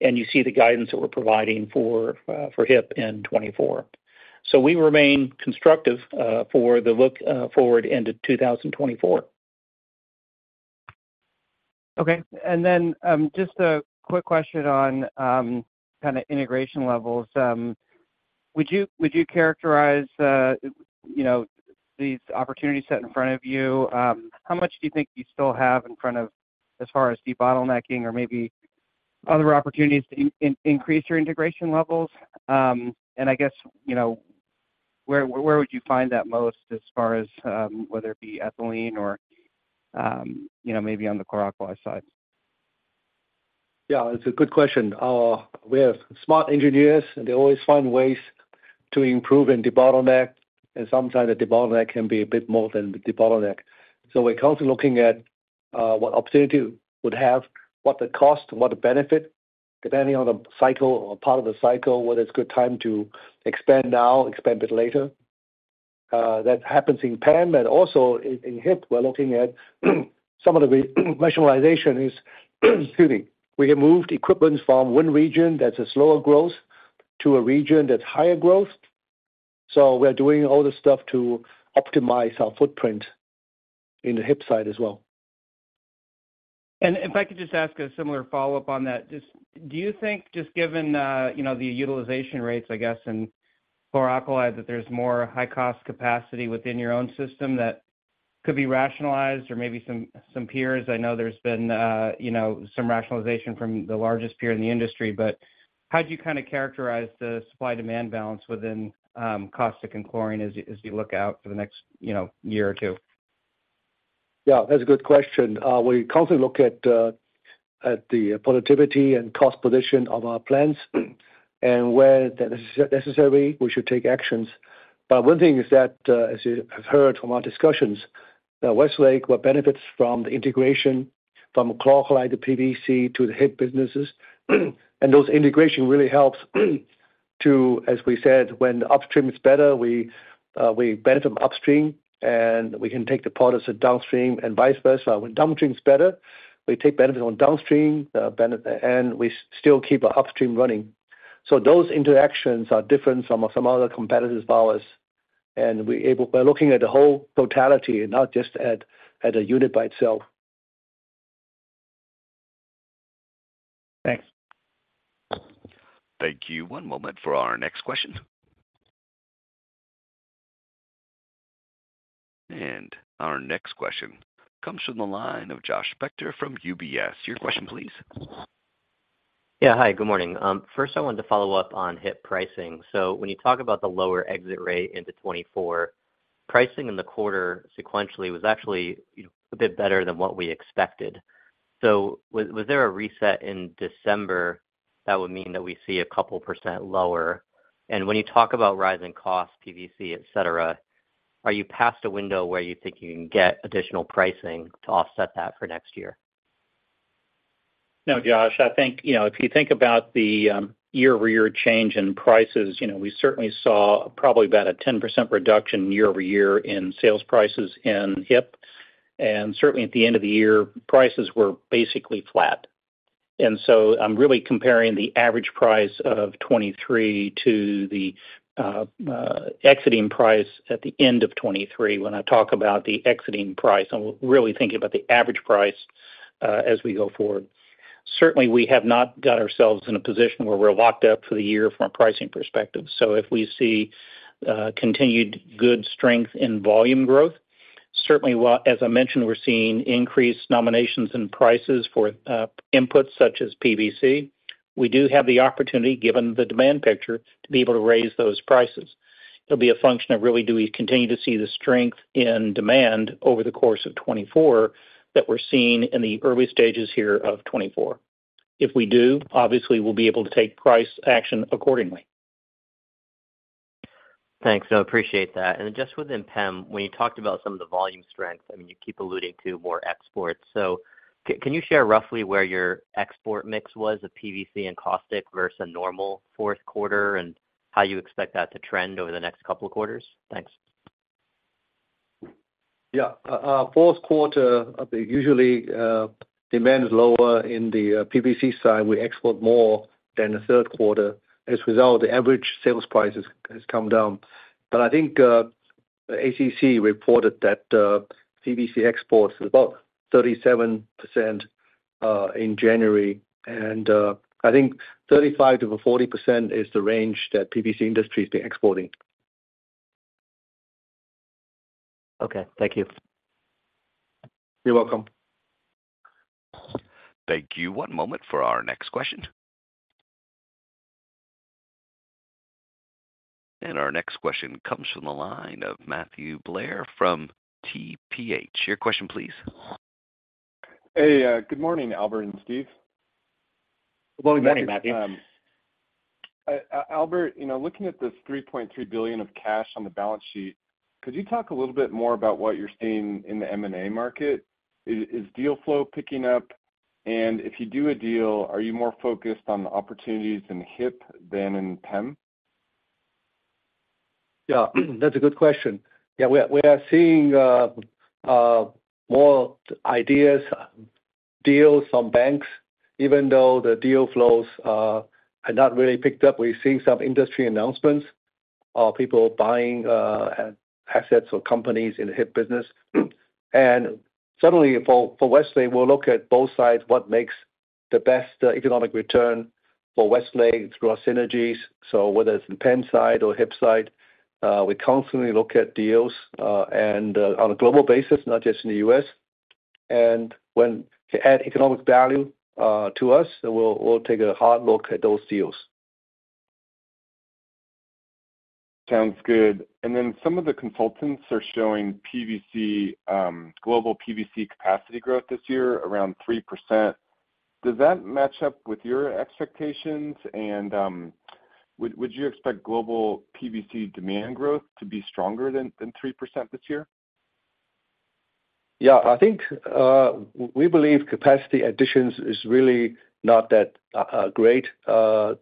and you see the guidance that we're providing for HIP in 2024. So we remain constructive for the look forward into 2024. Okay. Then, just a quick question on kind of integration levels. Would you, would you characterize, you know, these opportunities set in front of you? How much do you think you still have in front of, as far as debottlenecking or maybe other opportunities to increase your integration levels? And I guess, you know, where, where would you find that most as far as, whether it be ethylene or, you know, maybe on the chlor-alkali side? Yeah, it's a good question. We have smart engineers, and they always find ways to improve and debottleneck, and sometimes the bottleneck can be a bit more than debottleneck. So we're constantly looking at what opportunity would have, what the cost, what the benefit, depending on the cycle or part of the cycle, whether it's a good time to expand now, expand it later. That happens in PEM, and also in HIP, we're looking at some of the rationalization is, excuse me, we have moved equipment from one region that's a slower growth to a region that's higher growth. So we're doing all this stuff to optimize our footprint in the HIP side as well. If I could just ask a similar follow-up on that. Just, do you think, just given, you know, the utilization rates, I guess, in chlor-alkali, that there's more high-cost capacity within your own system that could be rationalized or maybe some peers? I know there's been, you know, some rationalization from the largest peer in the industry, but how do you kind of characterize the supply-demand balance within caustic and chlorine as you look out for the next, you know, year or two? Yeah, that's a good question. We constantly look at the productivity and cost position of our plants, and where that is necessary, we should take actions. But one thing is that, as you have heard from our discussions, that Westlake benefits from the integration from chlor-alkali to PVC to the HIP businesses. And those integrations really help to, as we said, when the upstream is better, we benefit from upstream, and we can take the products to downstream and vice versa. When downstream is better, we take benefit on downstream, and we still keep the upstream running. So those interactions are different from some other competitors' powers, and we're able. We're looking at the whole totality, not just at a unit by itself. Thanks. Thank you. One moment for our next question. Our next question comes from the line of Josh Spector from UBS. Your question please. Yeah. Hi, good morning. First I wanted to follow up on HIP pricing. So when you talk about the lower exit rate into 2024, pricing in the quarter sequentially was actually, you know, a bit better than what we expected. So was there a reset in December that would mean that we see a couple % lower? And when you talk about rising costs, PVC, et cetera, are you past a window where you think you can get additional pricing to offset that for next year? No, Josh, I think, you know, if you think about the year-over-year change in prices, you know, we certainly saw probably about a 10% reduction year-over-year in sales prices in HIP, and certainly at the end of the year, prices were basically flat. And so I'm really comparing the average price of 2023 to the exiting price at the end of 2023. When I talk about the exiting price, I'm really thinking about the average price as we go forward. Certainly, we have not got ourselves in a position where we're locked up for the year from a pricing perspective. So if we see continued good strength in volume growth, certainly as I mentioned, we're seeing increased nominations and prices for inputs such as PVC. We do have the opportunity, given the demand picture, to be able to raise those prices. It'll be a function of really, do we continue to see the strength in demand over the course of 2024, that we're seeing in the early stages here of 2024? If we do, obviously, we'll be able to take price action accordingly. Thanks. I appreciate that. And just within PEM, when you talked about some of the volume strength, I mean, you keep alluding to more exports. So can you share roughly where your export mix was of PVC and caustic versus a normal fourth quarter, and how you expect that to trend over the next couple of quarters? Thanks. Yeah. Our fourth quarter, usually, demand is lower in the PVC side. We export more than the third quarter. As a result, the average sales price has, has come down. But I think, ACC reported that, PVC exports is about 37% in January, and, I think 35%-40% is the range that PVC industry has been exporting. Okay, thank you. You're welcome. Thank you. One moment for our next question. And our next question comes from the line of Matthew Blair from TPH. Your question please. Hey, good morning, Albert and Steve. Good morning, Matthew. Morning, Matthew. Albert, you know, looking at this $3.3 billion of cash on the balance sheet, could you talk a little bit more about what you're seeing in the M&A market? Is deal flow picking up? And if you do a deal, are you more focused on the opportunities in the HIP than in PEM? Yeah, that's a good question. Yeah, we are, we are seeing more ideas, deals from banks, even though the deal flows are not really picked up. We're seeing some industry announcements... are people buying assets or companies in the HIP business. And certainly for, for Westlake, we'll look at both sides, what makes the best economic return for Westlake through our synergies. So whether it's in PEM side or HIP side, we constantly look at deals, and on a global basis, not just in the U.S. And when they add economic value to us, then we'll, we'll take a hard look at those deals. Sounds good. And then some of the consultants are showing PVC global PVC capacity growth this year around 3%. Does that match up with your expectations? And would you expect global PVC demand growth to be stronger than 3% this year? Yeah, I think, we believe capacity additions is really not that great.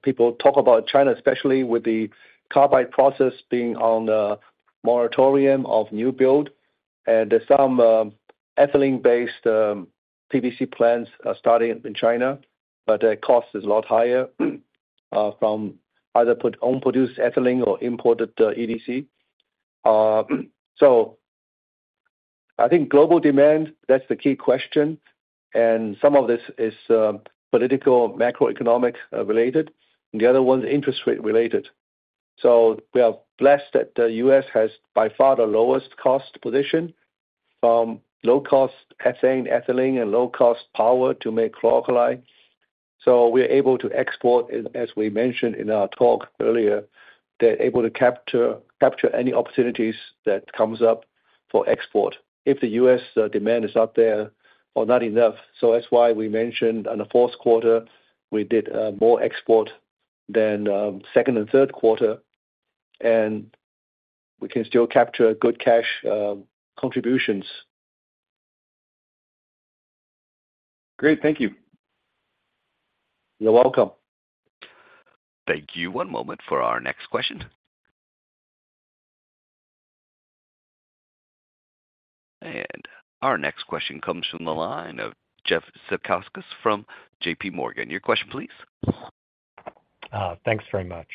People talk about China, especially with the carbide process being on the moratorium of new build, and there's some ethylene-based PVC plants are starting in China, but the cost is a lot higher from either home-produced ethylene or imported EDC. So I think global demand, that's the key question, and some of this is political, macroeconomic related, and the other one's interest rate related. So we are blessed that the U.S. has, by far, the lowest cost position, from low cost ethane, ethylene, and low cost power to make chlor-alkali. So we're able to export, as we mentioned in our talk earlier, they're able to capture any opportunities that comes up for export if the U.S. demand is not there or not enough. So that's why we mentioned in the fourth quarter, we did more export than second and third quarter, and we can still capture good cash contributions. Great. Thank you. You're welcome. Thank you. One moment for our next question. Our next question comes from the line of Jeff Zekauskas from J.P. Morgan. Your question please? Thanks very much.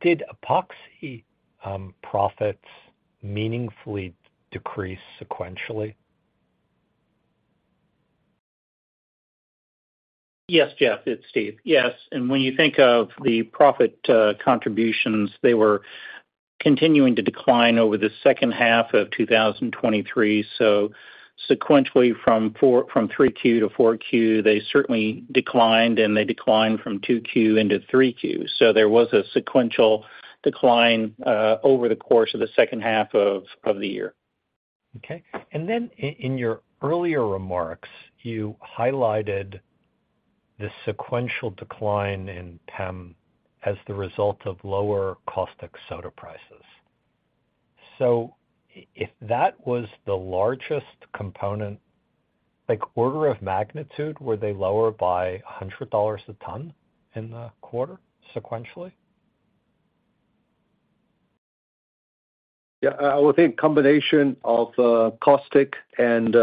Did epoxy profits meaningfully decrease sequentially? Yes, Jeff, it's Steve. Yes, and when you think of the profit contributions, they were continuing to decline over the second half of 2023. So sequentially from 3Q to 4Q, they certainly declined, and they declined from 2Q into 3Q. So there was a sequential decline over the course of the second half of the year. Okay. And then in your earlier remarks, you highlighted the sequential decline in PEM as the result of lower caustic soda prices. So if that was the largest component, like order of magnitude, were they lower by $100 a ton in the quarter sequentially? Yeah, I would think combination of caustic and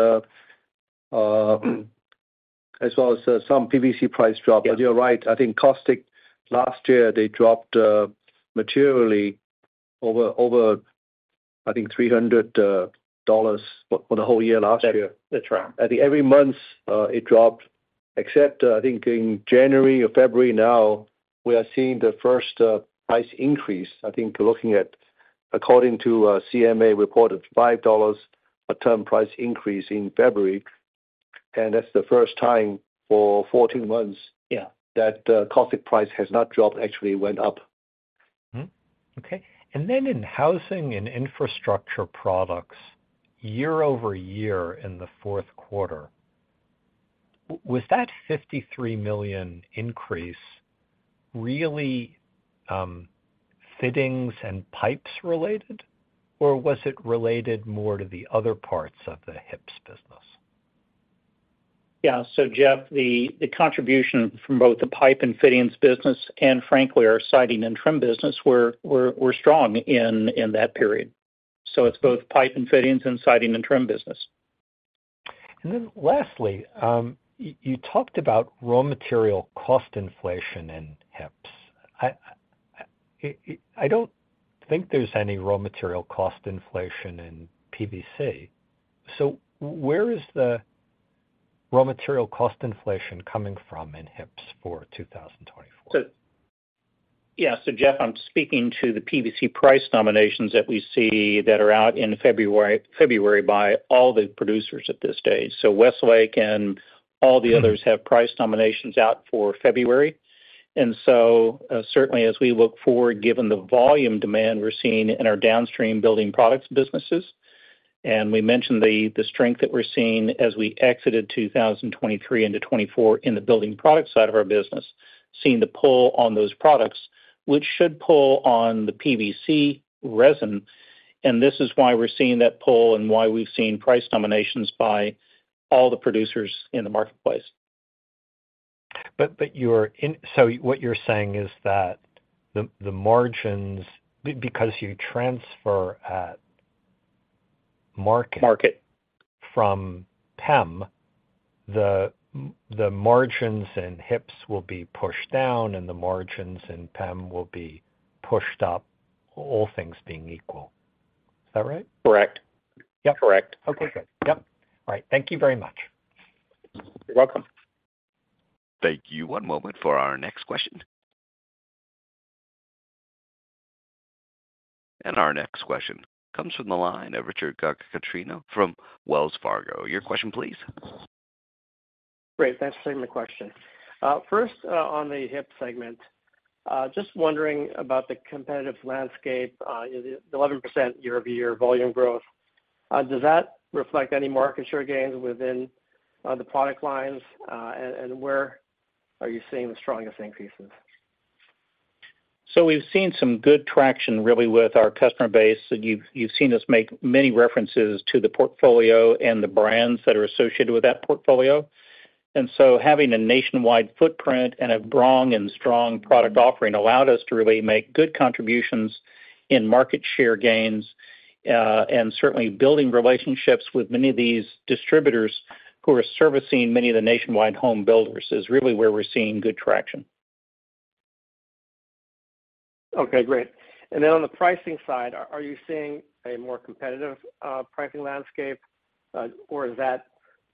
as well as some PVC price drop. Yeah. But you're right. I think caustic last year, they dropped materially over $300 for the whole year last year. That's right. I think every month, it dropped, except, I think in January or February now, we are seeing the first, price increase. I think we're looking at, according to, CMA, reported $5 a ton price increase in February, and that's the first time for 14 months- Yeah... that, caustic price has not dropped, actually went up. Okay. And then in housing and infrastructure products, year-over-year in the fourth quarter, was that $53 million increase really fittings and pipes related, or was it related more to the other parts of the HIPs business? Yeah. So Jeff, the contribution from both the pipe and fittings business and frankly, our siding and trim business were strong in that period. So it's both pipe and fittings and siding and trim business. And then lastly, you talked about raw material cost inflation in HIPs. I don't think there's any raw material cost inflation in PVC, so where is the raw material cost inflation coming from in HIPs for 2024? So, yeah, so Jeff, I'm speaking to the PVC price nominations that we see that are out in February, February by all the producers at this stage. So Westlake and all the others have price nominations out for February. And so, certainly as we look forward, given the volume demand we're seeing in our downstream building products businesses, and we mentioned the strength that we're seeing as we exited 2023 into 2024 in the building products side of our business, seeing the pull on those products, which should pull on the PVC resin, and this is why we're seeing that pull and why we've seen price nominations by all the producers in the marketplace. But you're in. So what you're saying is that the margins, because you transfer at- ... market from PEM, the margins in HIPs will be pushed down, and the margins in PEM will be pushed up, all things being equal. Is that right? Correct. Yep. Correct. Okay, good. Yep. All right, thank you very much. You're welcome. Thank you. One moment for our next question. Our next question comes from the line of Richard Garchitorena from Wells Fargo. Your question, please. Great. Thanks for taking the question. First, on the HIP segment, just wondering about the competitive landscape, the 11% year-over-year volume growth. Does that reflect any market share gains within the product lines? And where are you seeing the strongest increases? So we've seen some good traction really with our customer base. So you've, you've seen us make many references to the portfolio and the brands that are associated with that portfolio. And so having a nationwide footprint and a broad and strong product offering allowed us to really make good contributions in market share gains, and certainly building relationships with many of these distributors who are servicing many of the nationwide home builders, is really where we're seeing good traction. Okay, great. And then on the pricing side, are you seeing a more competitive pricing landscape, or is that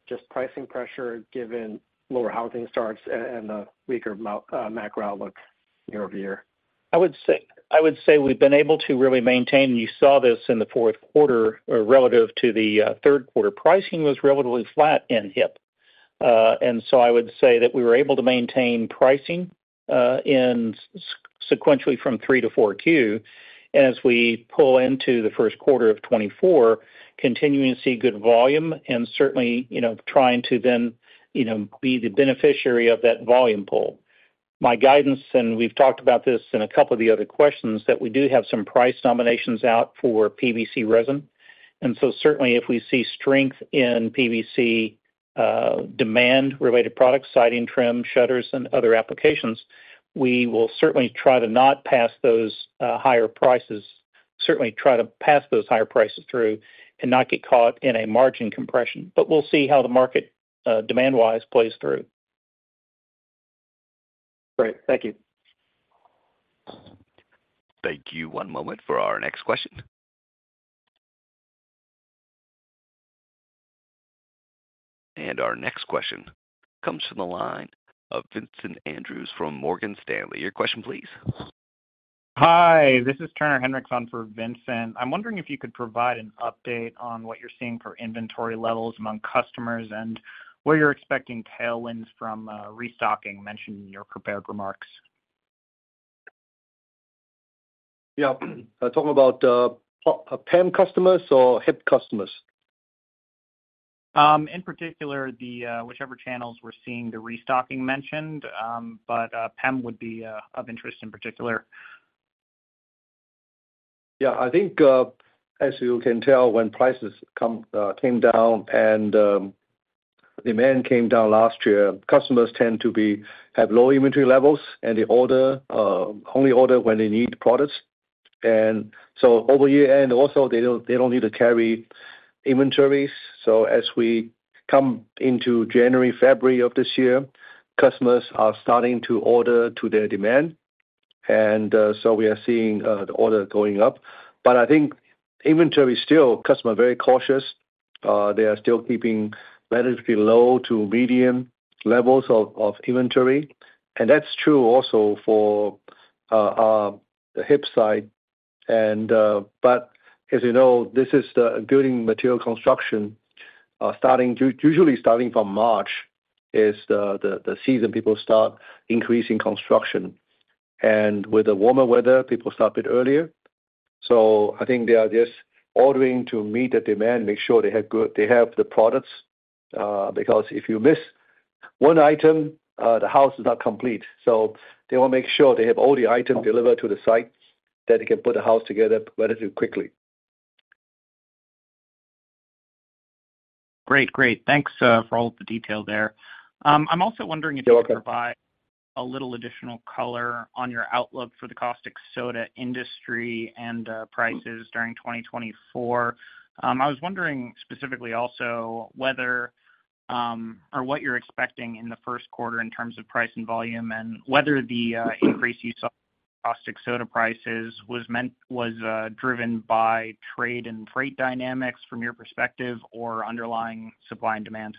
just pricing pressure given lower housing starts and the weaker macro outlook year-over-year? I would say, I would say we've been able to really maintain. You saw this in the fourth quarter, or relative to the third quarter. Pricing was relatively flat in HIP. And so I would say that we were able to maintain pricing sequentially from 3Q to 4Q. As we pull into the first quarter of 2024, continuing to see good volume and certainly, you know, trying to then, you know, be the beneficiary of that volume pull. My guidance, and we've talked about this in a couple of the other questions, that we do have some price nominations out for PVC resin, and so certainly if we see strength in PVC, demand-related products, siding, trim, shutters, and other applications, we will certainly try to not pass those higher prices, certainly try to pass those higher prices through and not get caught in a margin compression. But we'll see how the market, demand wise plays through. Great. Thank you. Thank you. One moment for our next question. Our next question comes from the line of Vincent Andrews from Morgan Stanley. Your question please. Hi, this is Turner Hinrichs on for Vincent. I'm wondering if you could provide an update on what you're seeing for inventory levels among customers and where you're expecting tailwinds from, restocking, mentioned in your prepared remarks? Yeah. Talking about PEM customers or HIP customers? In particular, the whichever channels we're seeing the restocking mentioned, but PEM would be of interest in particular. Yeah, I think as you can tell, when prices came down and demand came down last year, customers tend to have low inventory levels, and they only order when they need products. And so over year end, also, they don't need to carry inventories. So as we come into January, February of this year, customers are starting to order to their demand. And so we are seeing the order going up. But I think inventory still, customers are very cautious. They are still keeping relatively low to medium levels of inventory, and that's true also for the HIP side. But as you know, this is the building material construction, usually starting from March, is the season people start increasing construction. With the warmer weather, people start a bit earlier. So I think they are just ordering to meet the demand, make sure they have the products, because if you miss one item, the house is not complete. So they will make sure they have all the items delivered to the site, that they can put a house together relatively quickly. Great. Great. Thanks for all of the detail there. I'm also wondering- You're welcome. If you could provide a little additional color on your outlook for the caustic soda industry and prices during 2024. I was wondering specifically also whether or what you're expecting in the first quarter in terms of price and volume, and whether the increase you saw caustic soda prices was meant driven by trade and freight dynamics from your perspective or underlying supply and demand?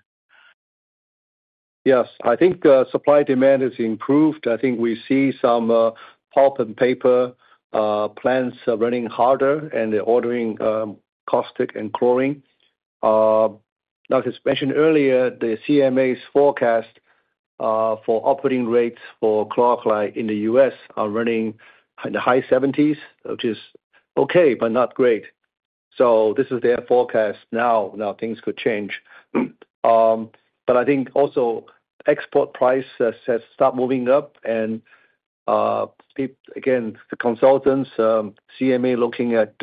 Yes. I think supply/demand has improved. I think we see some pulp and paper plants running harder, and they're ordering caustic and chlorine. Like I mentioned earlier, the CMA's forecast for operating rates for chlor-alkali in the U.S. are running in the high seventies, which is okay, but not great. So this is their forecast now. Now, things could change. But I think also export price has stopped moving up. And again, the consultants CMA looking at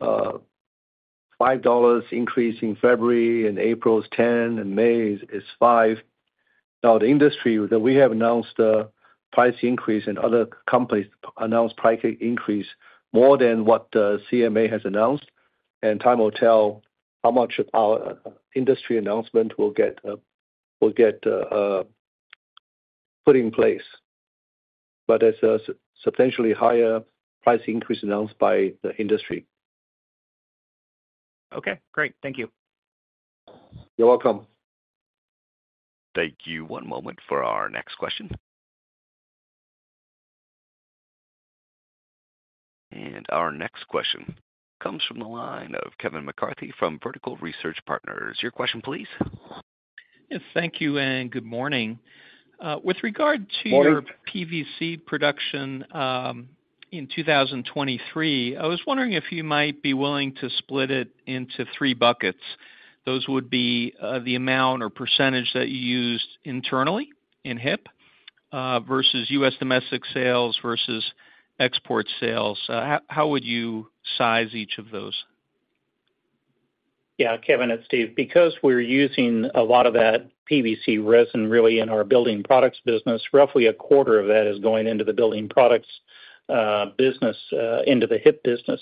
$5 increase in February, and April is $10, and May is $5. Now, the industry that we have announced a price increase, and other companies announced price increase more than what CMA has announced, and time will tell how much our industry announcement will get will get put in place. But it's a substantially higher price increase announced by the industry. Okay, great. Thank you. You're welcome. Thank you. One moment for our next question. Our next question comes from the line of Kevin McCarthy from Vertical Research Partners. Your question, please? Yes, thank you, and good morning. With regard to- Morning Your PVC production in 2023, I was wondering if you might be willing to split it into three buckets. Those would be, the amount or percentage that you used internally in HIP, versus U.S. domestic sales versus export sales. How would you size each of those? Yeah, Kevin, it's Steve. Because we're using a lot of that PVC resin really in our building products business, roughly 25% of that is going into the building products business into the HIP business,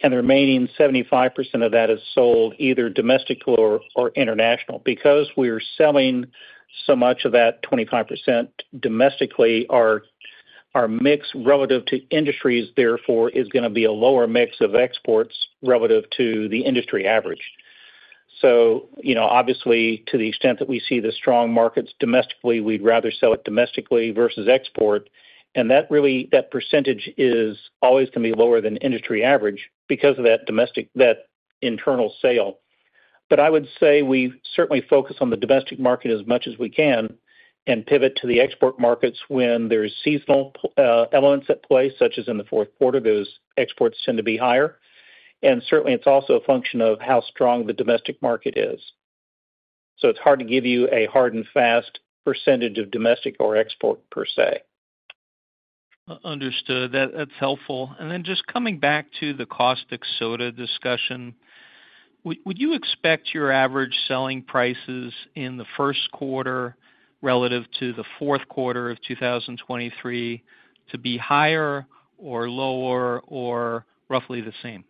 and the remaining 75% of that is sold either domestically or international. Because we are selling so much of that 25% domestically, our mix relative to industries therefore is gonna be a lower mix of exports relative to the industry average. So, you know, obviously, to the extent that we see the strong markets domestically, we'd rather sell it domestically versus export, and that really, that percentage is always gonna be lower than industry average because of that domestic, that internal sale. But I would say we certainly focus on the domestic market as much as we can and pivot to the export markets when there is seasonal, elements at play, such as in the fourth quarter, those exports tend to be higher. And certainly, it's also a function of how strong the domestic market is. So it's hard to give you a hard and fast percentage of domestic or export per se. Understood. That's helpful. And then just coming back to the caustic soda discussion, would you expect your average selling prices in the first quarter relative to the fourth quarter of 2023 to be higher or lower or roughly the same?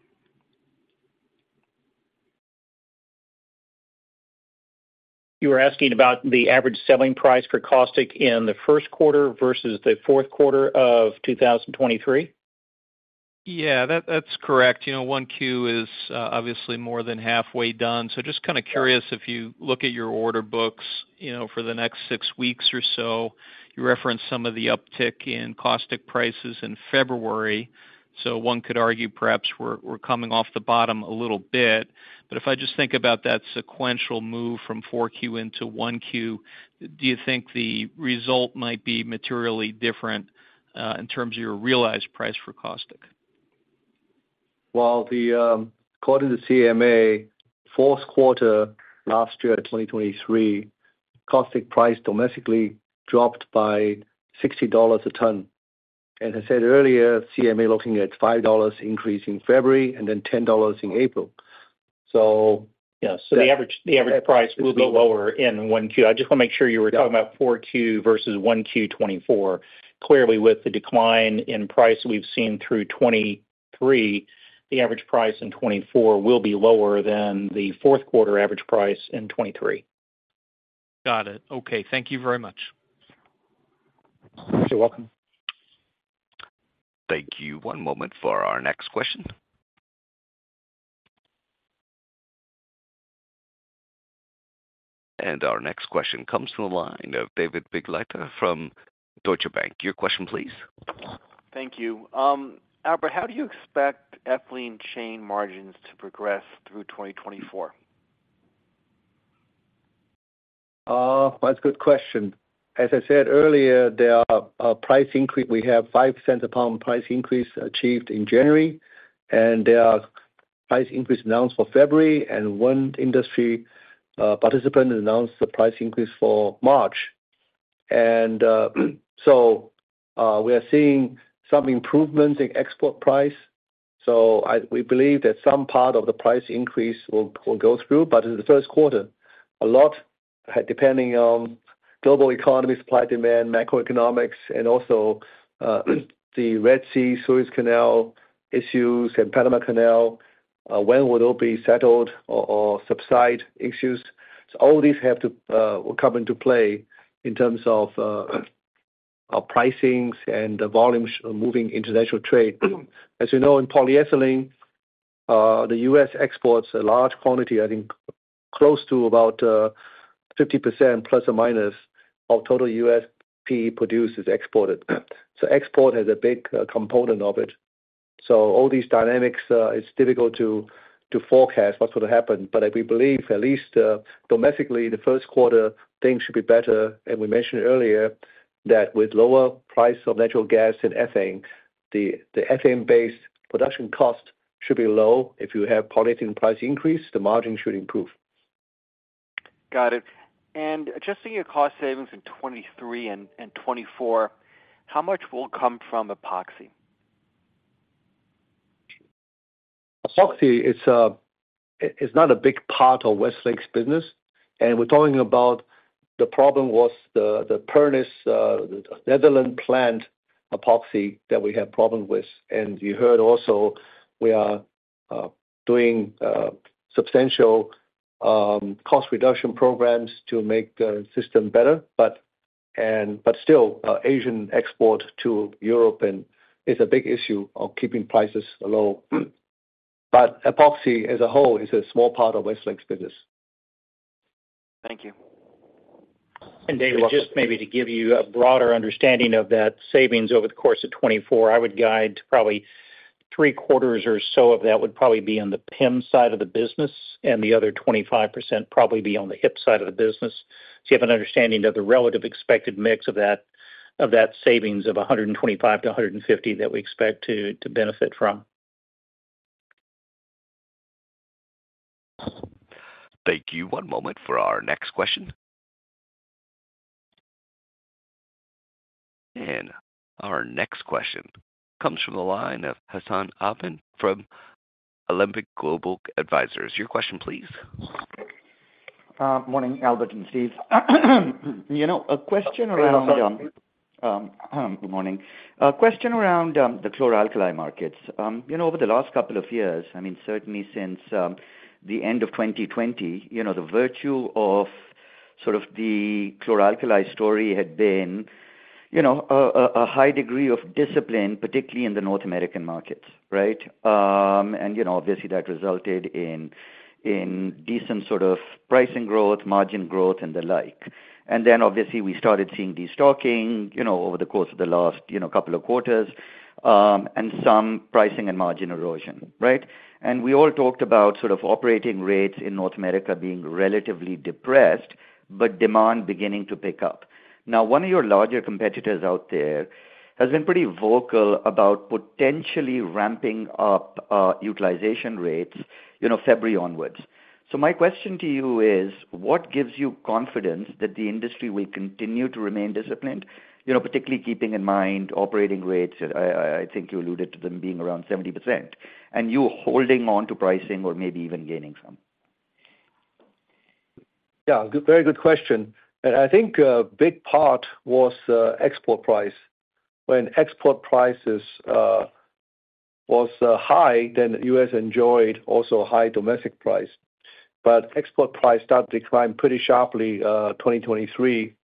You are asking about the average selling price for caustic in the first quarter versus the fourth quarter of 2023? Yeah, that, that's correct. You know,1Q is obviously more than halfway done, so just kinda curious if you look at your order books, you know, for the next six weeks or so, you referenced some of the uptick in caustic prices in February, so one could argue perhaps we're coming off the bottom a little bit. But if I just think about that sequential move from 4Q into 1Q, do you think the result might be materially different in terms of your realized price for caustic? Well, according to CMA, fourth quarter last year, 2023, caustic price domestically dropped by $60 a ton. As I said earlier, CMA looking at $5 increase in February and then $10 in April. So- Yeah, so the average price will go lower in Q1. I just wanna make sure you were talking about Q4 versus Q1 2024. Clearly, with the decline in price we've seen through 2023, the average price in 2024 will be lower than the fourth quarter average price in 2023. Got it. Okay, thank you very much. You're welcome. Thank you. One moment for our next question. Our next question comes from the line of David Begleiter from Deutsche Bank. Your question please. Thank you. Albert, how do you expect ethylene chain margins to progress through 2024? That's a good question. As I said earlier, there are a price increase. We have $0.05 a pound price increase achieved in January, and there are price increase announced for February, and one industry participant announced the price increase for March. And, so, we are seeing some improvements in export price. So we believe that some part of the price increase will go through. But in the first quarter, a lot depending on global economy, supply, demand, macroeconomics and also the Red Sea, Suez Canal issues and Panama Canal when will it be settled or subside issues. So all these have to come into play in terms of our pricings and the volumes moving international trade. As you know, in polyethylene, the U.S. exports a large quantity, I think close to about 50% ± of total U.S. PE produced is exported. So export has a big component of it. So all these dynamics, it's difficult to forecast what's going to happen. But we believe at least domestically, in the first quarter, things should be better. And we mentioned earlier that with lower price of natural gas and ethane, the ethane base production cost should be low. If you have polyethylene price increase, the margin should improve. Got it. And adjusting your cost savings in 2023 and 2024, how much will come from epoxy? epoxy is, it's not a big part of Westlake's business, and we're talking about the problem was the Pernis, the Netherlands plant epoxy that we have problem with. And you heard also we are doing substantial cost reduction programs to make the system better. But still, Asian export to Europe and is a big issue of keeping prices low. But epoxy, as a whole, is a small part of Westlake's business. Thank you. David, just maybe to give you a broader understanding of that savings over the course of 2024, I would guide probably three quarters or so of that would probably be on the PEM side of the business, and the other 25% probably be on the HIP side of the business. So you have an understanding of the relative expected mix of that savings of $125 million-$150 million that we expect to benefit from. Thank you. One moment for our next question. Our next question comes from the line of Hassan Ahmed from Alembic Global Advisors. Your question please. Morning, Albert and Steve. You know, a question around, good morning. A question around, the chlor-alkali markets. You know, over the last couple of years, I mean, certainly since the end of 2020, you know, the virtue of sort of the chlor-alkali story had been, you know, a high degree of discipline, particularly in the North American markets, right? And, you know, obviously, that resulted in decent sort of pricing growth, margin growth, and the like. And then obviously we started seeing destocking, you know, over the course of the last, you know, couple of quarters, and some pricing and margin erosion, right? And we all talked about sort of operating rates in North America being relatively depressed, but demand beginning to pick up. Now, one of your larger competitors out there has been pretty vocal about potentially ramping up utilization rates, you know, February onwards. So my question to you is: What gives you confidence that the industry will continue to remain disciplined? You know, particularly keeping in mind operating rates, I think you alluded to them being around 70%, and you holding on to pricing or maybe even gaining some. Yeah, good, very good question. And I think a big part was export price. When export prices was high, then U.S. enjoyed also high domestic price. But export price started to decline pretty sharply, 2023,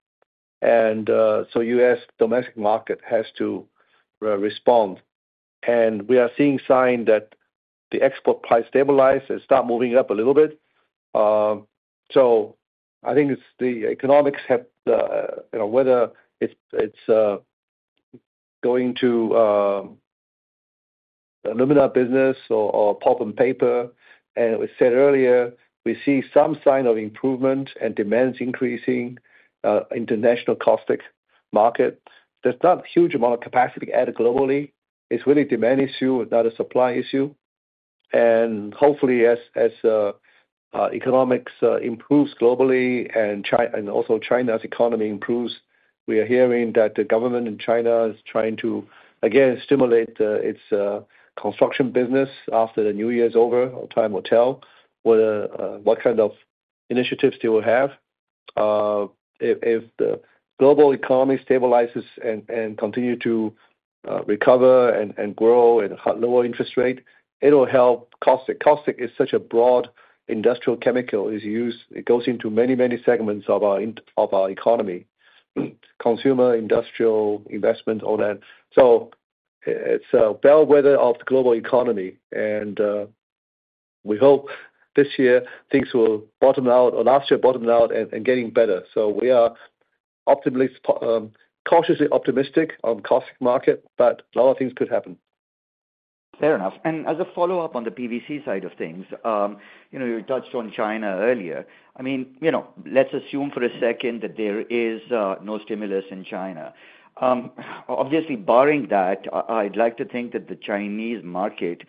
and so U.S. domestic market has to respond. And we are seeing sign that the export price stabilize and start moving up a little bit. So I think it's the economics have, you know, whether it's, it's, going to alumina business or pulp and paper. And we said earlier, we see some sign of improvement and demands increasing, international caustic market. There's not huge amount of capacity added globally. It's really demand issue, not a supply issue. And hopefully as economics improves globally and China and also China's economy improves, we are hearing that the government in China is trying to, again, stimulate its construction business after the New Year's over. Only time will tell whether what kind of initiatives they will have. If the global economy stabilizes and continue to recover and grow at a lower interest rate, it'll help caustic. Caustic is such a broad industrial chemical. It's used... It goes into many, many segments of our economy, consumer, industrial, investment, all that. So it's a bellwether of the global economy, and we hope this year things will bottom out, or last year bottom out and getting better. So we are optimally cautiously optimistic on caustic market, but a lot of things could happen. Fair enough. And as a follow-up on the PVC side of things, you know, you touched on China earlier. I mean, you know, let's assume for a second that there is no stimulus in China. Obviously, barring that, I'd like to think that the Chinese market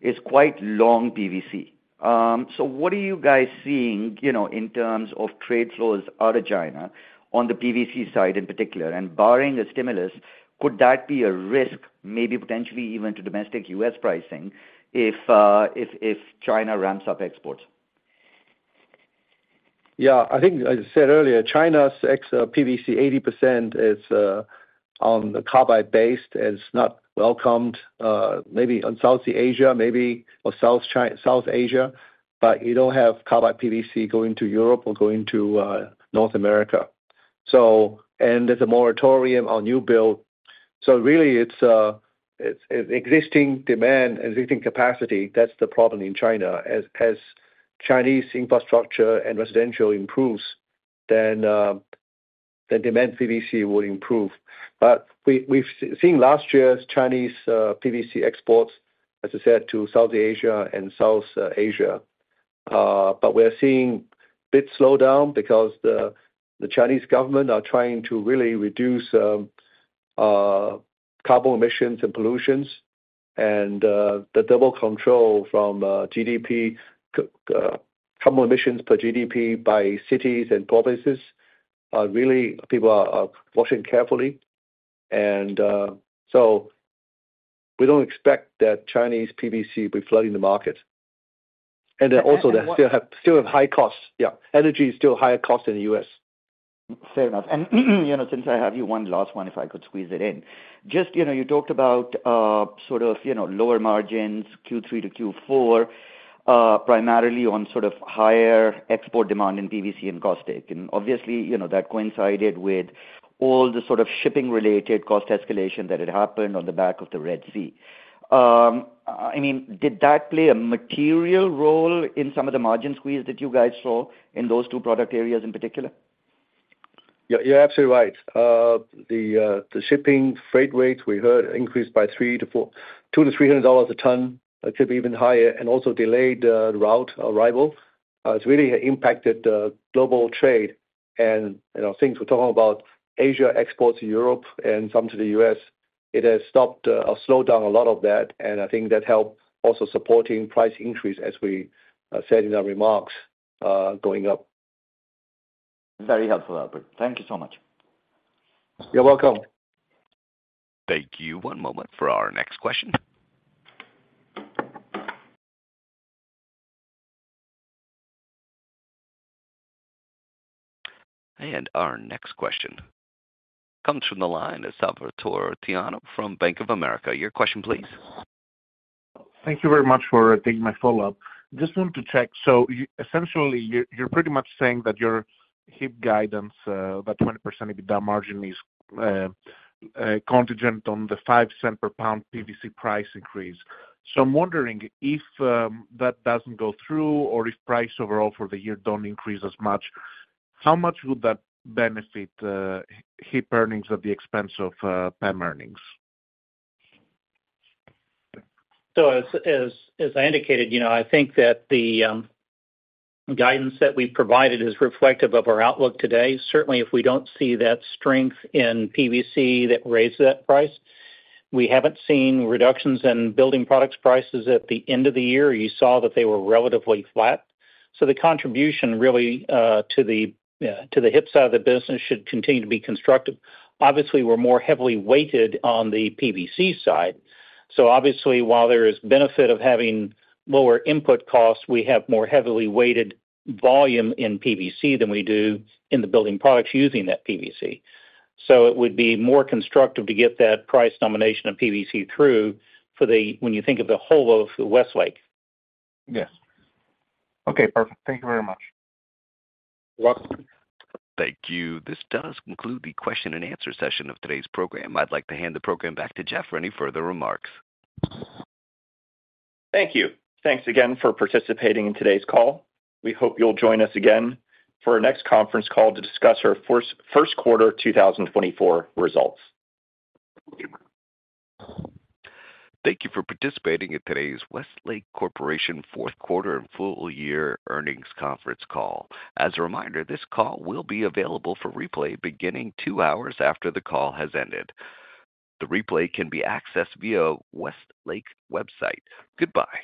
is quite long PVC. So what are you guys seeing, you know, in terms of trade flows out of China on the PVC side in particular? And barring a stimulus, could that be a risk, maybe potentially even to domestic U.S. pricing, if China ramps up exports? Yeah, I think, as I said earlier, China's PVC, 80% is on the carbide-based, is not welcomed, maybe on Southeast Asia, maybe, or South Asia, but you don't have carbide PVC going to Europe or going to North America. So, and there's a moratorium on new build. So really it's existing demand, existing capacity, that's the problem in China. As Chinese infrastructure and residential improves, then the demand PVC will improve. But we, we've seen last year's Chinese PVC exports, as I said, to Southeast Asia and South Asia. But we're seeing bit slowdown because the Chinese government are trying to really reduce carbon emissions and pollution. The double control from GDP, carbon emissions per GDP by cities and provinces, really people are watching carefully. So we don't expect that Chinese PVC will be flooding the market. Also, they still have high costs. Yeah, energy is still higher cost in the U.S. Fair enough. And, you know, since I have you, one last one, if I could squeeze it in. Just, you know, you talked about sort of, you know, lower margins, Q3 to Q4, primarily on sort of higher export demand in PVC and caustic. And obviously, you know, that coincided with all the sort of shipping-related cost escalation that had happened on the back of the Red Sea. I mean, did that play a material role in some of the margin squeeze that you guys saw in those two product areas in particular? Yeah, you're absolutely right. The shipping freight rates, we heard, increased by [$300-$400], $200-$300 dollars a ton. It could be even higher and also delayed route arrival. It's really impacted the global trade and, you know, things we're talking about, Asia exports to Europe and some to the US, it has stopped or slowed down a lot of that, and I think that helped also supporting price increase, as we said in our remarks, going up. Very helpful, Albert. Thank you so much. You're welcome. Thank you. One moment for our next question. And our next question comes from the line of Salvator Tiano from Bank of America. Your question please. Thank you very much for taking my follow-up. Just want to check, so essentially, you're pretty much saying that your HIP guidance, that 20% EBITDA margin is contingent on the $0.05 per pound PVC price increase. So I'm wondering if that doesn't go through, or if price overall for the year don't increase as much, how much would that benefit HIP earnings at the expense of PEM earnings? So as I indicated, you know, I think that the guidance that we've provided is reflective of our outlook today. Certainly, if we don't see that strength in PVC that raised that price, we haven't seen reductions in building products prices at the end of the year. You saw that they were relatively flat. So the contribution really to the HIP side of the business should continue to be constructive. Obviously, we're more heavily weighted on the PVC side, so obviously while there is benefit of having lower input costs, we have more heavily weighted volume in PVC than we do in the building products using that PVC. So it would be more constructive to get that price nomination of PVC through for the, when you think of the whole of Westlake. Yes. Okay, perfect. Thank you very much. You're welcome. Thank you. This does conclude the question and answer session of today's program. I'd like to hand the program back to Jeff for any further remarks. Thank you. Thanks again for participating in today's call. We hope you'll join us again for our next conference call to discuss our first quarter 2024 results. Thank you for participating in today's Westlake Corporation fourth quarter and full year earnings conference call. As a reminder, this call will be available for replay beginning two hours after the call has ended. The replay can be accessed via Westlake website. Goodbye.